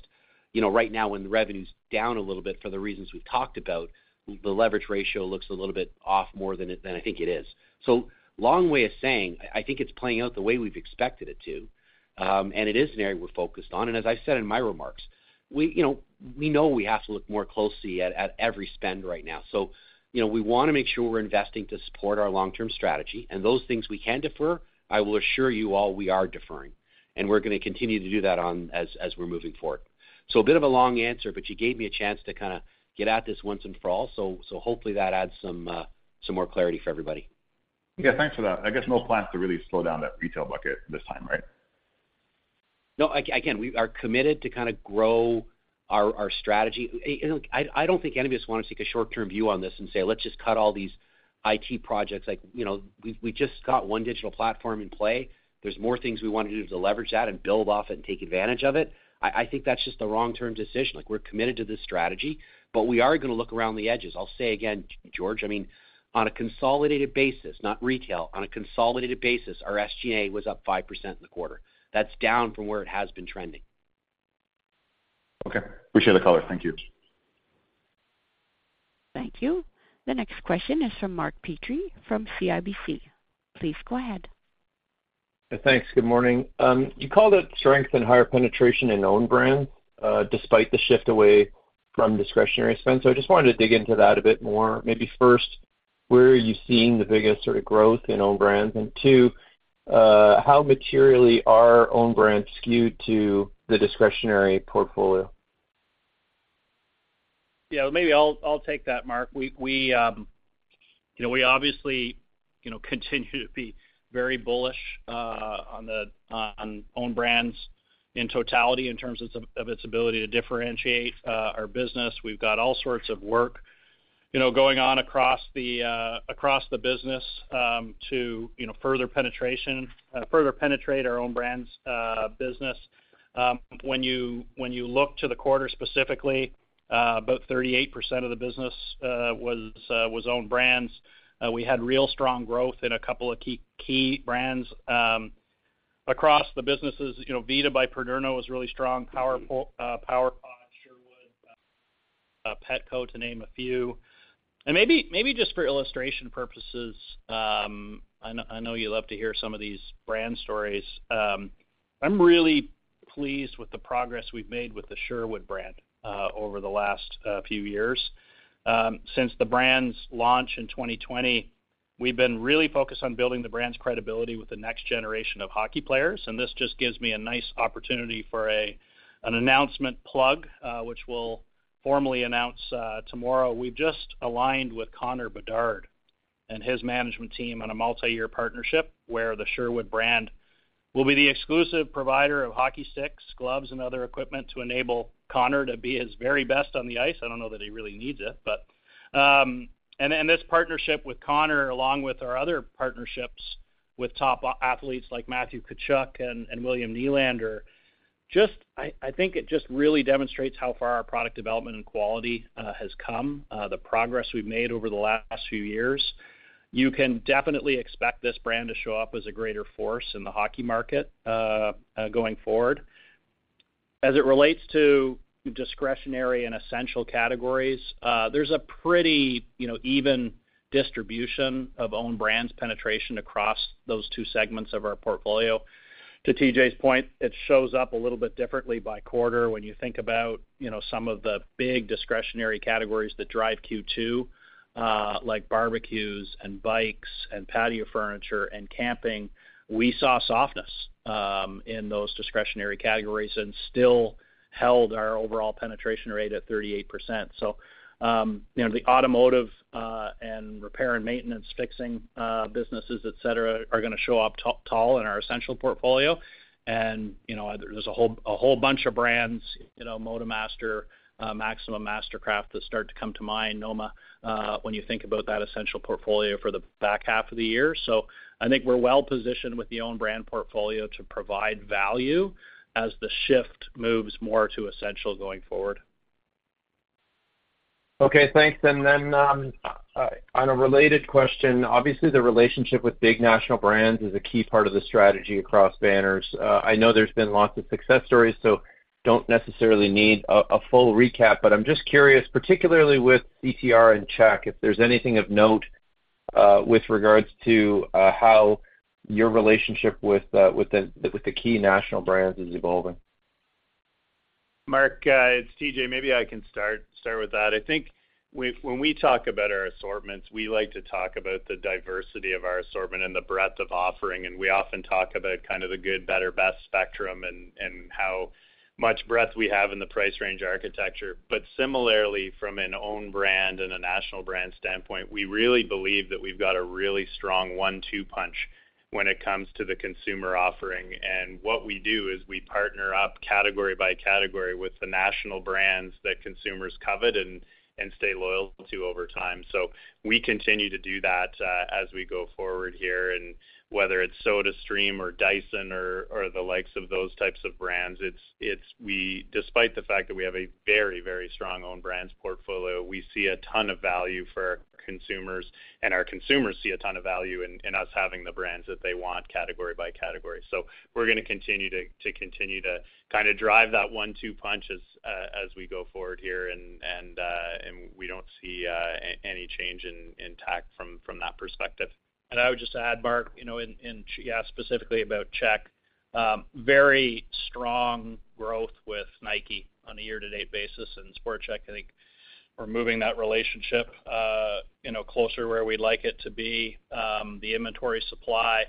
Speaker 4: you know, right now, when the revenue's down a little bit for the reasons we've talked about, the leverage ratio looks a little bit off more than it, than I think it is. Long way of saying, I think it's playing out the way we've expected it to, and it is an area we're focused on. As I said in my remarks, we, you know, we know we have to look more closely at, at every spend right now. You know, we wanna make sure we're investing to support our long-term strategy, and those things we can defer, I will assure you all, we are deferring, and we're gonna continue to do that as we're moving forward. A bit of a long answer, but you gave me a chance to kind of get at this once and for all, so, so hopefully that adds some more clarity for everybody.
Speaker 7: Yeah, thanks for that. I guess no plans to really slow down that retail bucket this time, right?
Speaker 4: No, again, we are committed to kind of grow our, our strategy. You know, I, I don't think any of us want to take a short-term view on this and say, "Let's just cut all these IT projects." Like, you know, we've, we just got One Digital Platform in play. There's more things we want to do to leverage that and build off it and take advantage of it. I, I think that's just the wrong-term decision. Like, we're committed to this strategy, but we are gonna look around the edges. I'll say again, George, I mean, on a consolidated basis, not retail, on a consolidated basis, our SG&A was up 5% in the quarter. That's down from where it has been trending.
Speaker 7: Okay. Appreciate the color. Thank you.
Speaker 1: Thank you. The next question is from Mark Petrie from CIBC. Please go ahead.
Speaker 8: Thanks. Good morning. You called out strength and higher penetration in own brands, despite the shift away from discretionary spend. I just wanted to dig into that a bit more. Maybe first, where are you seeing the biggest sort of growth in own brands? Two, how materially are own brands skewed to the discretionary portfolio?
Speaker 3: Yeah, maybe I'll, I'll take that, Mark. We, we, you know, we obviously, you know, continue to be very bullish on the, on own brands in totality in terms of its ability to differentiate our business. We've got all sorts of work, you know, going on across the, across the business to, you know, further penetration, further penetrate our own brands business. When you, when you look to the quarter specifically, about 38% of the business was own brands. We had real strong growth in a couple of key, key brands across the businesses, you know, Vida by PADERNO is really strong, powerful, PWR POD, Sherwood, Petco, to name a few. Maybe, maybe just for illustration purposes, I know, I know you love to hear some of these brand stories. I'm really pleased with the progress we've made with the Sherwood brand over the last few years. Since the brand's launch in 2020, we've been really focused on building the brand's credibility with the next generation of hockey players, and this just gives me a nice opportunity for an announcement plug, which we'll formally announce tomorrow. We've just aligned with Connor Bedard and his management team on a multi-year partnership, where the Sherwood brand will be the exclusive provider of hockey sticks, gloves, and other equipment to enable Connor to be his very best on the ice. I don't know that he really needs it, but... and this partnership with Connor, along with our other partnerships with top athletes like Matthew Tkachuk and William Nylander, just, I, I think it just really demonstrates how far our product development and quality has come, the progress we've made over the last few years. You can definitely expect this brand to show up as a greater force in the hockey market going forward. As it relates to discretionary and essential categories, there's a pretty, you know, even distribution of own brands penetration across those two segments of our portfolio. To TJ's point, it shows up a little bit differently by quarter when you think about, you know, some of the big discretionary categories that drive Q2, like barbecues, and bikes, and patio furniture, and camping. We saw softness in those discretionary categories and still held our overall penetration rate at 38%. You know, the automotive and repair and maintenance, fixing businesses, et cetera, are gonna show up tall in our essential portfolio. You know, there's a whole, a whole bunch of brands, you know, MotoMaster, Maximum, Mastercraft, that start to come to mind, Noma, when you think about that essential portfolio for the back half of the year. I think we're well positioned with the own brand portfolio to provide value as the shift moves more to essential going forward.
Speaker 8: Okay, thanks. And then, on a related question, obviously, the relationship with big national brands is a key part of the strategy across banners. I know there's been lots of success stories, so don't necessarily need a full recap, but I'm just curious, particularly with CTR and Check, if there's anything of note with regards to how your relationship with the key national brands is evolving.
Speaker 6: Mark, it's TJ. Maybe I can start, start with that. I think when we talk about our assortments, we like to talk about the diversity of our assortment and the breadth of offering, and we often talk about kind of the good, better, best spectrum and, and how much breadth we have in the price range architecture. Similarly, from an own brand and a national brand standpoint, we really believe that we've got a really strong one-two punch when it comes to the consumer offering. What we do is we partner up category by category with the national brands that consumers covet and, and stay loyal to over time. We continue to do that as we go forward here, and whether it's SodaStream or Dyson or, or the likes of those types of brands, despite the fact that we have a very, very strong own brands portfolio, we see a ton of value for our consumers, and our consumers see a ton of value in, in us having the brands that they want, category by category. We're gonna continue to, to continue to kinda drive that one-two punch as we go forward here, and, and we don't see any change in, in tact from, from that perspective.
Speaker 3: I would just add, Mark, you know, in, in, yeah, specifically about Check, very strong growth with Nike on a year-to-date basis, and Sport Chek, I think we're moving that relationship, you know, closer where we'd like it to be. The inventory supply,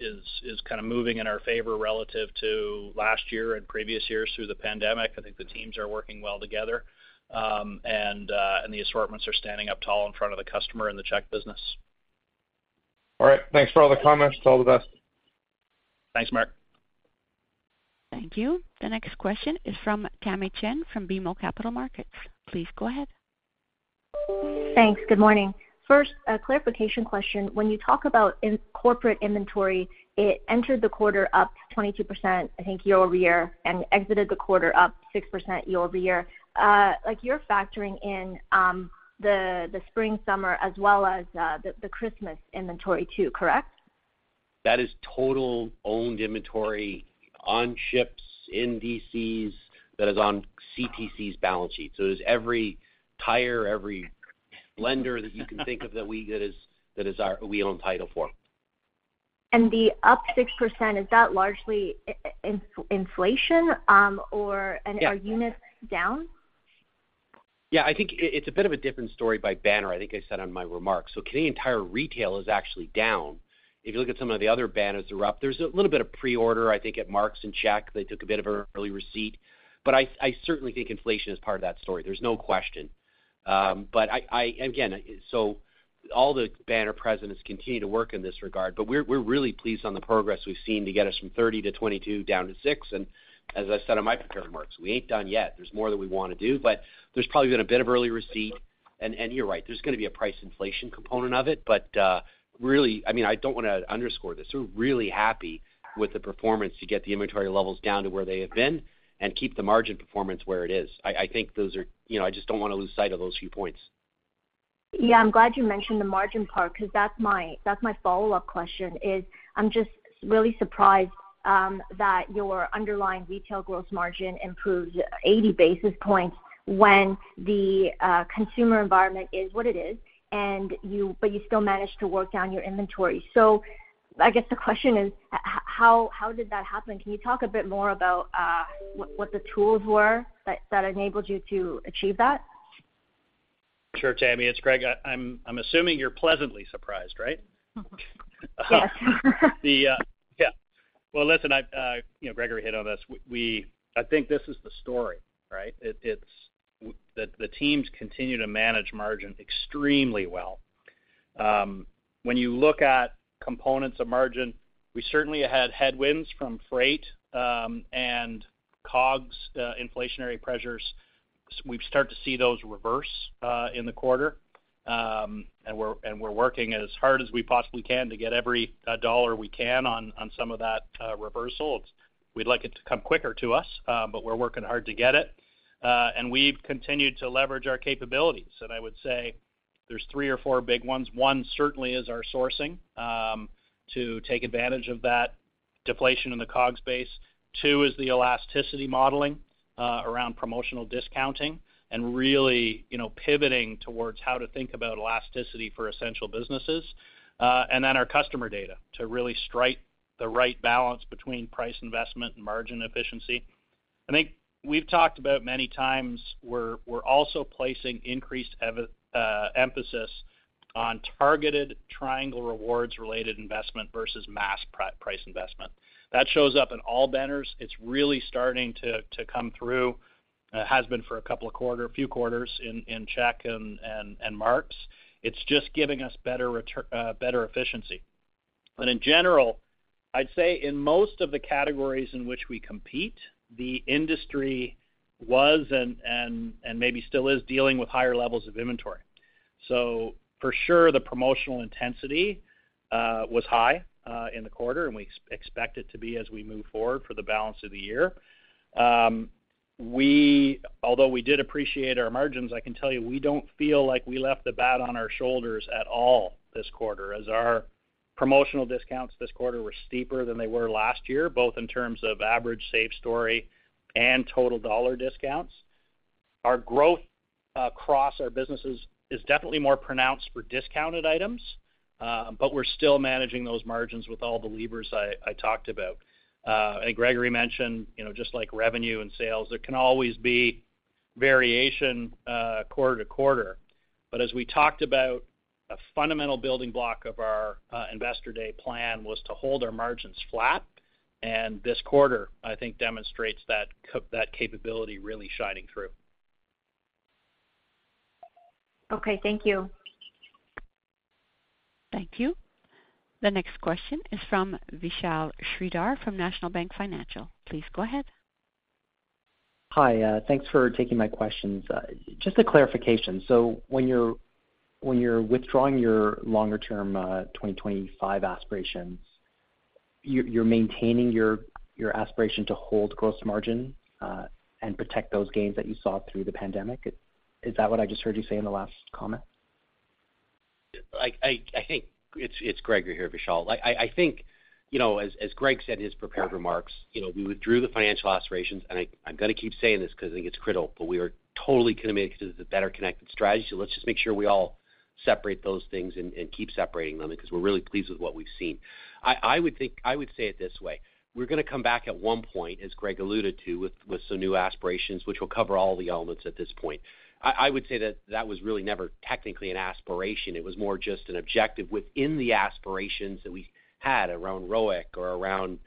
Speaker 3: is, is kind of moving in our favor relative to last year and previous years through the pandemic. I think the teams are working well together. And the assortments are standing up tall in front of the customer in the Check business.
Speaker 8: All right. Thanks for all the comments. All the best.
Speaker 3: Thanks, Mark.
Speaker 1: Thank you. The next question is from Tamy Chen from BMO Capital Markets. Please go ahead.
Speaker 9: Thanks. Good morning. First, a clarification question. When you talk about corporate inventory, it entered the quarter up 22%, I think, year-over-year, and exited the quarter up 6% year-over-year. like, you're factoring in, the, the spring/summer, as well as, the, the Christmas inventory too, correct?
Speaker 6: That is total owned inventory on ships, in DCs, that is on CTC's balance sheet. It is every tire, every lender that you can think of that we own title for.
Speaker 9: The up 6%, is that largely in- inflation?
Speaker 6: Yeah.
Speaker 9: Are units down?
Speaker 6: Yeah, I think it, it's a bit of a different story by banner, I think I said on my remarks. Canadian Tire Retail is actually down. If you look at some of the other banners, they're up. There's a little bit of pre-order, I think, at Mark's and Check. They took a bit of an early receipt, I, I certainly think inflation is part of that story. There's no question. I, I again, all the banner presidents continue to work in this regard, but we're, we're really pleased on the progress we've seen to get us from 30 to 22, down to six. As I said on my prepared remarks, we ain't done yet. There's more that we want to do, there's probably been a bit of early receipt. And you're right, there's gonna be a price inflation component of it. Really, I mean, I don't want to underscore this. We're really happy with the performance to get the inventory levels down to where they have been and keep the margin performance where it is. I think those are. You know, I just don't want to lose sight of those few points.
Speaker 9: Yeah, I'm glad you mentioned the margin part, because that's my, that's my follow-up question, is I'm just really surprised that your underlying retail gross margin improved 80 basis points when the consumer environment is what it is, and you but you still managed to work down your inventory. I guess the question is, how did that happen? Can you talk a bit more about what, what the tools were that, that enabled you to achieve that?
Speaker 3: Sure, Tamy, it's Greg. I, I'm, I'm assuming you're pleasantly surprised, right?
Speaker 9: Yes.
Speaker 3: Yeah. Well, listen, I, you know, Gregory hit on this. We, I think this is the story, right? It, it's that the teams continue to manage margin extremely well. When you look at components of margin, we certainly had headwinds from freight, and COGS inflationary pressures. We start to see those reverse in the quarter, and we're working as hard as we possibly can to get every dollar we can on some of that reversal. We'd like it to come quicker to us, but we're working hard to get it. We've continued to leverage our capabilities, and I would say there's three or four big ones. One certainly is our sourcing, to take advantage of that deflation in the COGS base. 2 is the elasticity modeling, around promotional discounting and really, you know, pivoting towards how to think about elasticity for essential businesses. Then our customer data, to really strike the right balance between price investment and margin efficiency. I think we've talked about many times, we're, we're also placing increased emphasis on targeted Triangle Rewards related investment versus mass price investment. That shows up in all banners. It's really starting to, to come through. Has been for a couple of few quarters in, in Check and, and, and Mark's. It's just giving us better better efficiency. In general, I'd say in most of the categories in which we compete, the industry was and, and, and maybe still is dealing with higher levels of inventory. For sure, the promotional intensity was high in the quarter, and we expect it to be as we move forward for the balance of the year. Although we did appreciate our margins, I can tell you, we don't feel like we left the bat on our shoulders at all this quarter, as our promotional discounts this quarter were steeper than they were last year, both in terms of average save story and total dollar discounts. Our growth across our businesses is definitely more pronounced for discounted items, but we're still managing those margins with all the levers I, I talked about. Gregory mentioned, you know, just like revenue and sales, there can always be variation quarter to quarter. As we talked about, a fundamental building block of our Investor Day plan was to hold our margins flat, and this quarter, I think, demonstrates that capability really shining through.
Speaker 9: Okay, thank you.
Speaker 1: Thank you. The next question is from Vishal Shreedhar from National Bank Financial. Please go ahead.
Speaker 10: Hi, thanks for taking my questions. Just a clarification. So when you're, when you're withdrawing your longer-term, 2025 aspirations, you're, you're maintaining your, your aspiration to hold gross margin, and protect those gains that you saw through the pandemic? Is that what I just heard you say in the last comment?
Speaker 4: I think. It's Gregory here, Vishal. I think, you know, as Greg said in his prepared remarks, you know, we withdrew the financial aspirations. I'm gonna keep saying this because I think it's critical, but we are totally committed to the Better Connected strategy, so let's just make sure we all separate those things and keep separating them because we're really pleased with what we've seen. I would say it this way: We're gonna come back at one point, as Greg alluded to, with some new aspirations, which will cover all the elements at this point. I would say that that was really never technically an aspiration. It was more just an objective within the aspirations that we had around ROIC or around,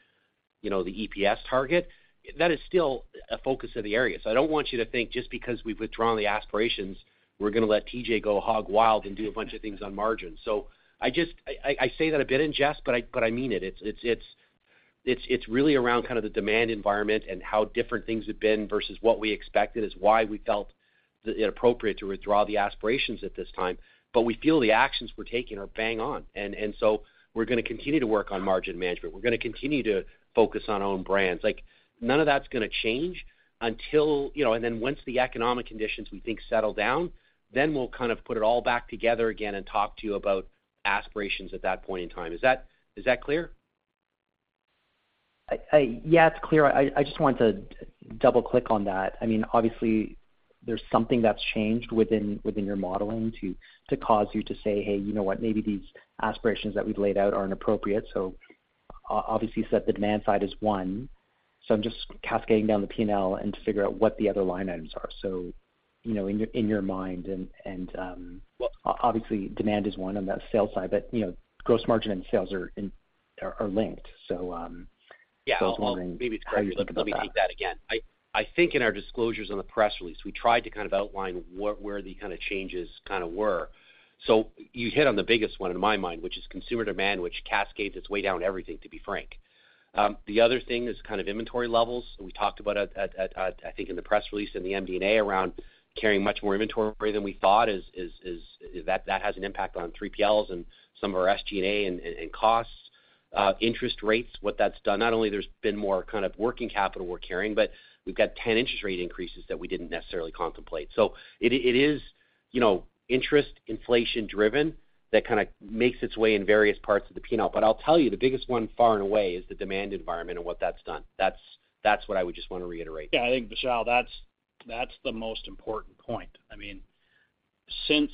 Speaker 4: you know, the EPS target. That is still a focus of the area. I don't want you to think just because we've withdrawn the aspirations, we're gonna let TJ go hog wild and do a bunch of things on margin. I say that a bit in jest, but I mean it. It's really around kind of the demand environment and how different things have been versus what we expected, is why we felt that it appropriate to withdraw the aspirations at this time. We feel the actions we're taking are bang on, and so we're gonna continue to work on margin management. We're gonna continue to focus on own brands. Like, none of that's gonna change until, you know, And then once the economic conditions we think settle down, then we'll kind of put it all back together again and talk to you about aspirations at that point in time. Is that, is that clear?
Speaker 10: Yeah, it's clear. I, I just wanted to double-click on that. I mean, obviously, there's something that's changed within, within your modeling to, to cause you to say, "Hey, you know what? Maybe these aspirations that we've laid out are inappropriate." O-obviously, you said the demand side is one, so I'm just cascading down the P&L and to figure out what the other line items are. You know, in your, in your mind, and, and, well, o-obviously, demand is one on the sales side, but, you know, gross margin and sales are in-- are, are linked. I was wondering-
Speaker 4: Yeah, well, maybe it's-
Speaker 10: how you think about that.
Speaker 4: Let me hit that again. I think in our disclosures on the press release, we tried to kind of outline what were the kind of changes kind of were. You hit on the biggest one in my mind, which is consumer demand, which cascades its way down everything, to be frank. The other thing is kind of inventory levels. We talked about, I think in the press release and the MD&A around carrying much more inventory than we thought that has an impact on 3PLs and some of our SG&A and costs. interest rates, what that's done, not only there's been more kind of working capital we're carrying, but we've got 10 interest rate increases that we didn't necessarily contemplate. It, it is, you know, interest inflation driven that kind of makes its way in various parts of the P&L. I'll tell you, the biggest one, far and away, is the demand environment and what that's done. That's, that's what I would just want to reiterate.
Speaker 3: Yeah, I think, Vishal, that's, that's the most important point. I mean, since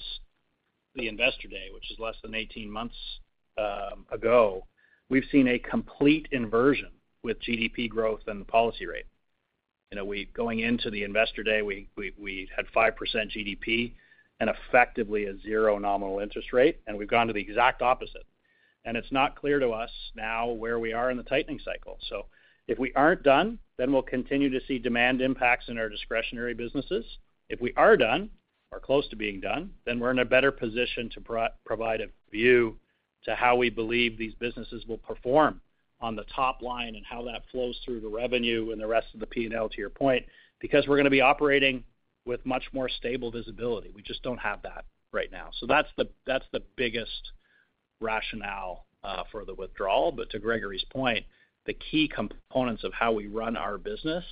Speaker 3: the Investor Day, which is less than 18 months ago, we've seen a complete inversion with GDP growth and the policy rate. You know, we- going into the Investor Day, we, we, we had 5% GDP and effectively a 0 nominal interest rate, and we've gone to the exact opposite. It's not clear to us now where we are in the tightening cycle. If we aren't done, then we'll continue to see demand impacts in our discretionary businesses. If we are done, or close to being done, then we're in a better position to provide a view to how we believe these businesses will perform on the top line and how that flows through the revenue and the rest of the P&L, to your point, because we're going to be operating with much more stable visibility. We just don't have that right now. That's the biggest rationale for the withdrawal. To Gregory's point, the key components of how we run our business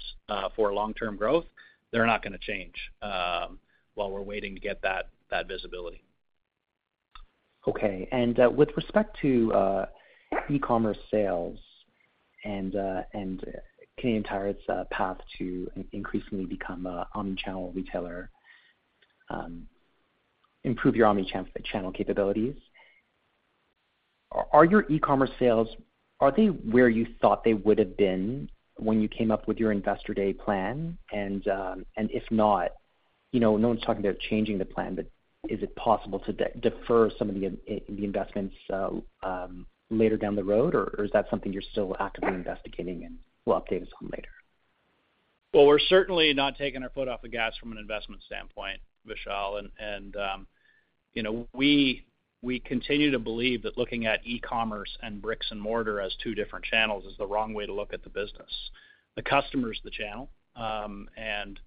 Speaker 3: for long-term growth, they're not going to change while we're waiting to get that visibility.
Speaker 10: Okay. With respect to e-commerce sales and Canadian Tire's path to increasingly become a omnichannel retailer, improve your omnichannel capabilities, are your e-commerce sales, are they where you thought they would have been when you came up with your Investor Day plan? If not, you know, no one's talking about changing the plan, but is it possible to defer some of the investments later down the road, or, or is that something you're still actively investigating and will update us on later?
Speaker 3: Well, we're certainly not taking our foot off the gas from an investment standpoint, Vishal. We, you know, we continue to believe that looking at e-commerce and bricks and mortar as two different channels is the wrong way to look at the business. The customer is the channel, and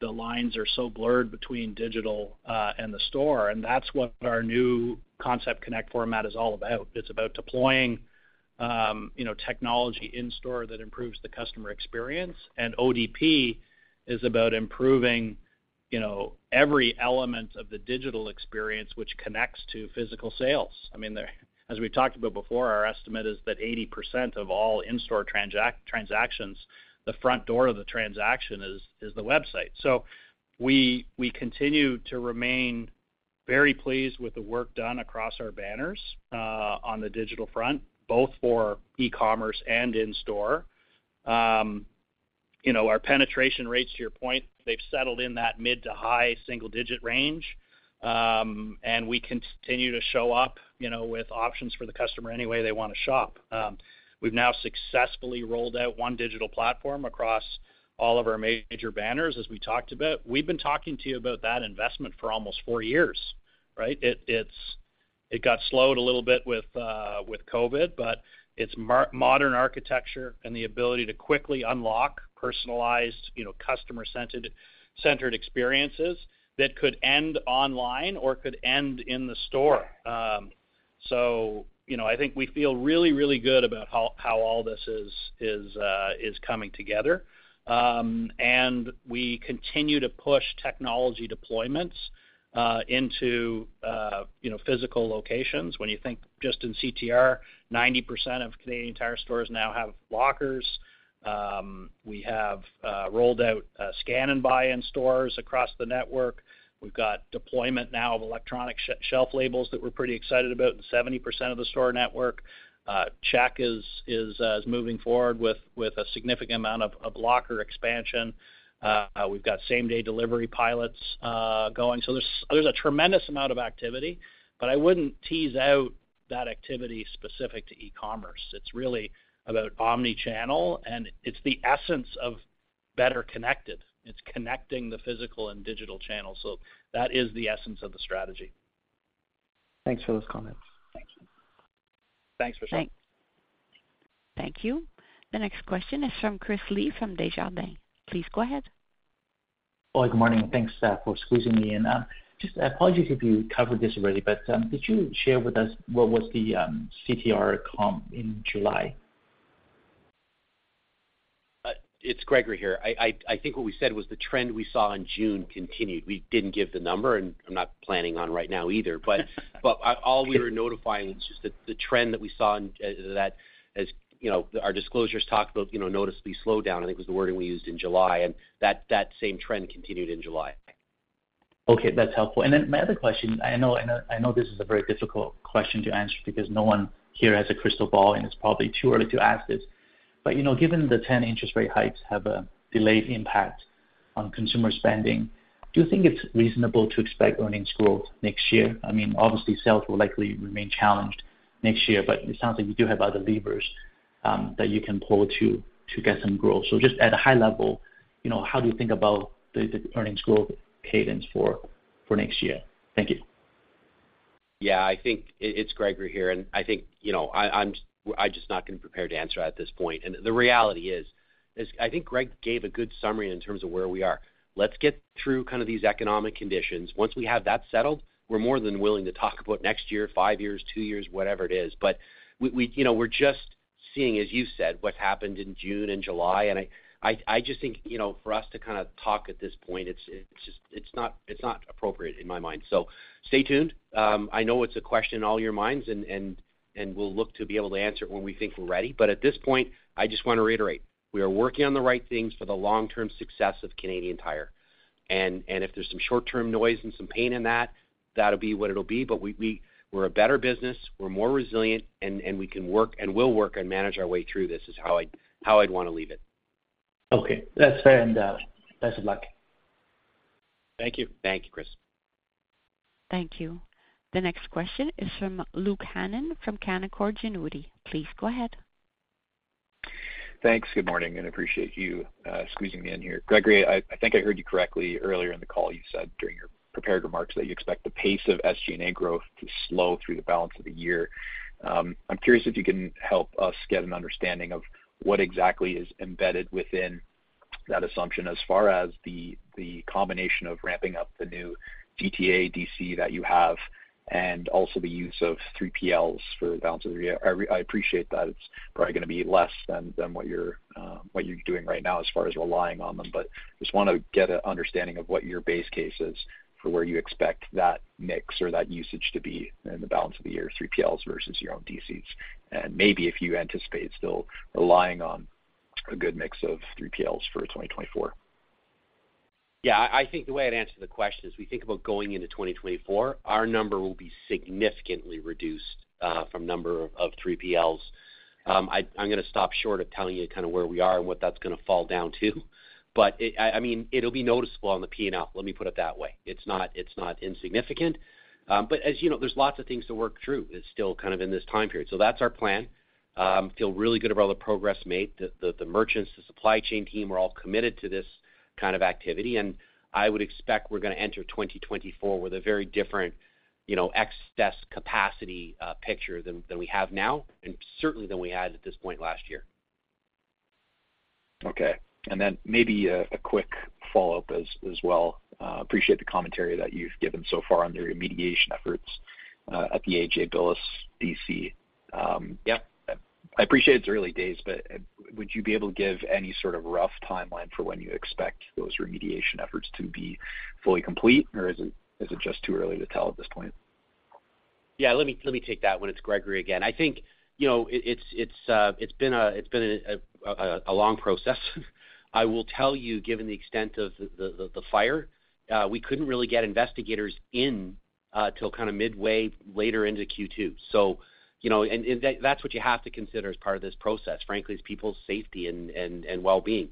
Speaker 3: the lines are so blurred between digital and the store, and that's what our new Concept Connect format is all about. It's about deploying, you know, technology in store that improves the customer experience, and ODP is about improving, you know, every element of the digital experience, which connects to physical sales. I mean, as we've talked about before, our estimate is that 80% of all in-store transactions, the front door of the transaction is, is the website. We, we continue to remain very pleased with the work done across our banners, on the digital front, both for e-commerce and in store. You know, our penetration rates, to your point, they've settled in that mid to high single-digit range, and we continue to show up, you know, with options for the customer any way they want to shop. We've now successfully rolled out One Digital Platform across all of our major banners, as we talked about. We've been talking to you about that investment for almost 4 years, right? It got slowed a little bit with COVID, but it's modern architecture and the ability to quickly unlock personalized, you know, customer-centered, centered experiences that could end online or could end in the store. You know, I think we feel really, really good about how, how all this is, is coming together. We continue to push technology deployments into, you know, physical locations. When you think just in CTR, 90% of Canadian Tire stores now have lockers. We have rolled out scan and buy in stores across the network. We've got deployment now of electronic shelf labels that we're pretty excited about, in 70% of the store network. Sport Chek is moving forward with a significant amount of locker expansion. We've got same-day delivery pilots going. There's a tremendous amount of activity, but I wouldn't tease out that activity specific to e-commerce. It's really about omni-channel, and it's the essence of Better Connected. It's connecting the physical and digital channels, so that is the essence of the strategy.
Speaker 10: Thanks for those comments.
Speaker 3: Thank you. Thanks, Vishal.
Speaker 1: Thank you. The next question is from Chris Li, from Desjardins. Please go ahead.
Speaker 11: Oh, Good morning. Thanks for squeezing me in. Just apologies if you covered this already, but could you share with us what was the CTR comp in July?
Speaker 4: It's Gregory here. I think what we said was the trend we saw in June continued. We didn't give the number, and I'm not planning on right now either. All we were notifying was just that the trend that we saw in that, you know, our disclosures talked about, you know, noticeably slowed down, I think, was the wording we used in July, and that same trend continued in July.
Speaker 11: Okay, that's helpful. Then my other question, I know, I know, I know this is a very difficult question to answer because no one here has a crystal ball, and it's probably too early to ask this. Given the 10 interest rate hikes have a delayed impact on consumer spending, do you think it's reasonable to expect earnings growth next year? I mean, obviously, sales will likely remain challenged next year, but it sounds like you do have other levers that you can pull to, to get some growth. Just at a high level, you know, how do you think about the, the earnings growth cadence for, for next year? Thank you.
Speaker 4: Yeah, I think. It's Gregory here, and I think, you know, I'm just not going to be prepared to answer at this point. The reality is, is I think Greg gave a good summary in terms of where we are. Let's get through kind of these economic conditions. Once we have that settled, we're more than willing to talk about next year, five years, two years, whatever it is. We, you know, we're just seeing, as you said, what's happened in June and July, and I just think, you know, for us to kind of talk at this point, it's, it's just, it's not, it's not appropriate in my mind. Stay tuned. I know it's a question on all your minds and we'll look to be able to answer it when we think we're ready. At this point, I just want to reiterate, we are working on the right things for the long-term success of Canadian Tire. If there's some short-term noise and some pain in that, that'll be what it'll be. We're a better business, we're more resilient, and we can work, and we'll work and manage our way through this, is how I'd, how I'd want to leave it.
Speaker 11: Okay. That's fair, and, best of luck.
Speaker 3: Thank you.
Speaker 4: Thank you, Chris.
Speaker 1: Thank you. The next question is from Luke Hannan, from Canaccord Genuity. Please go ahead.
Speaker 12: Thanks. Good morning, and appreciate you squeezing me in here. Gregory, I, I think I heard you correctly earlier in the call, you said during your prepared remarks that you expect the pace of SG&A growth to slow through the balance of the year. I'm curious if you can help us get an understanding of what exactly is embedded within that assumption as far as the, the combination of ramping up the new GTA DC that you have, and also the use of 3PLs for the balance of the year. I appreciate that it's probably gonna be less than what you're doing right now, as far as relying on them, but just wanna get an understanding of what your base case is for where you expect that mix or that usage to be in the balance of the year, 3PLs versus your own DCs. Maybe if you anticipate still relying on a good mix of 3PLs for 2024.
Speaker 4: Yeah, I, I think the way I'd answer the question is, we think about going into 2024, our number will be significantly reduced from number of 3PLs. I, I'm gonna stop short of telling you kind of where we are and what that's gonna fall down to, but I, I mean, it'll be noticeable on the P&L. Let me put it that way. It's not, it's not insignificant. As you know, there's lots of things to work through. It's still kind of in this time period. That's our plan. Feel really good about all the progress made. The, the, the merchants, the supply chain team, are all committed to this kind of activity, and I would expect we're gonna enter 2024 with a very different, you know, excess capacity picture than, than we have now, and certainly than we had at this point last year.
Speaker 12: Okay. maybe a, a quick follow-up as, as well. appreciate the commentary that you've given so far on the remediation efforts, at the A.J. Billes DC.
Speaker 4: Yep.
Speaker 12: I appreciate it's early days, but would you be able to give any sort of rough timeline for when you expect those remediation efforts to be fully complete, or is it just too early to tell at this point?
Speaker 4: Yeah, let me, let me take that one. It's Gregory again. I think, you know, it, it's, it's, it's been a, it's been a, a, a long process. I will tell you, given the extent of the, the, the fire, we couldn't really get investigators in, till kind of midway later into Q2. You know, and, and that, that's what you have to consider as part of this process, frankly, is people's safety and, and, and well-being.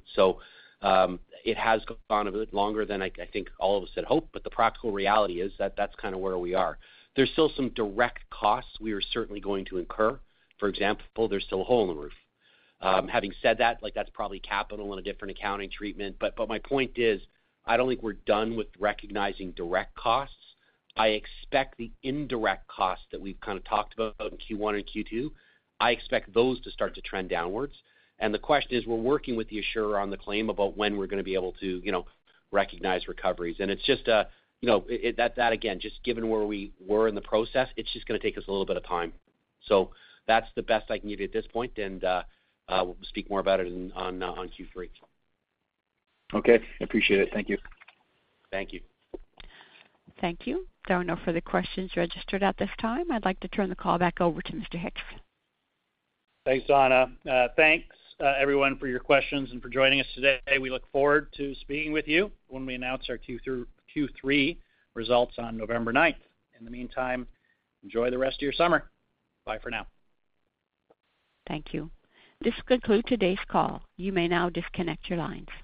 Speaker 4: It has gone a bit longer than I, I think all of us had hoped, but the practical reality is that that's kind of where we are. There's still some direct costs we are certainly going to incur. For example, there's still a hole in the roof. Having said that, like, that's probably capital and a different accounting treatment, but my point is, I don't think we're done with recognizing direct costs. I expect the indirect costs that we've kind of talked about in Q1 and Q2, I expect those to start to trend downwards. The question is, we're working with the insurer on the claim about when we're gonna be able to, you know, recognize recoveries. It's just a, you know, it, that, again, just given where we were in the process, it's just gonna take us a little bit of time. That's the best I can give you at this point, and we'll speak more about it in, on Q3.
Speaker 12: Okay, appreciate it. Thank you.
Speaker 4: Thank you.
Speaker 1: Thank you. There are no further questions registered at this time. I'd like to turn the call back over to Mr. Hicks.
Speaker 3: Thanks, Donna. Thanks, everyone, for your questions and for joining us today. We look forward to speaking with you when we announce our Q3 results on November ninth. In the meantime, enjoy the rest of your summer. Bye for now.
Speaker 1: Thank you. This concludes today's call. You may now disconnect your lines.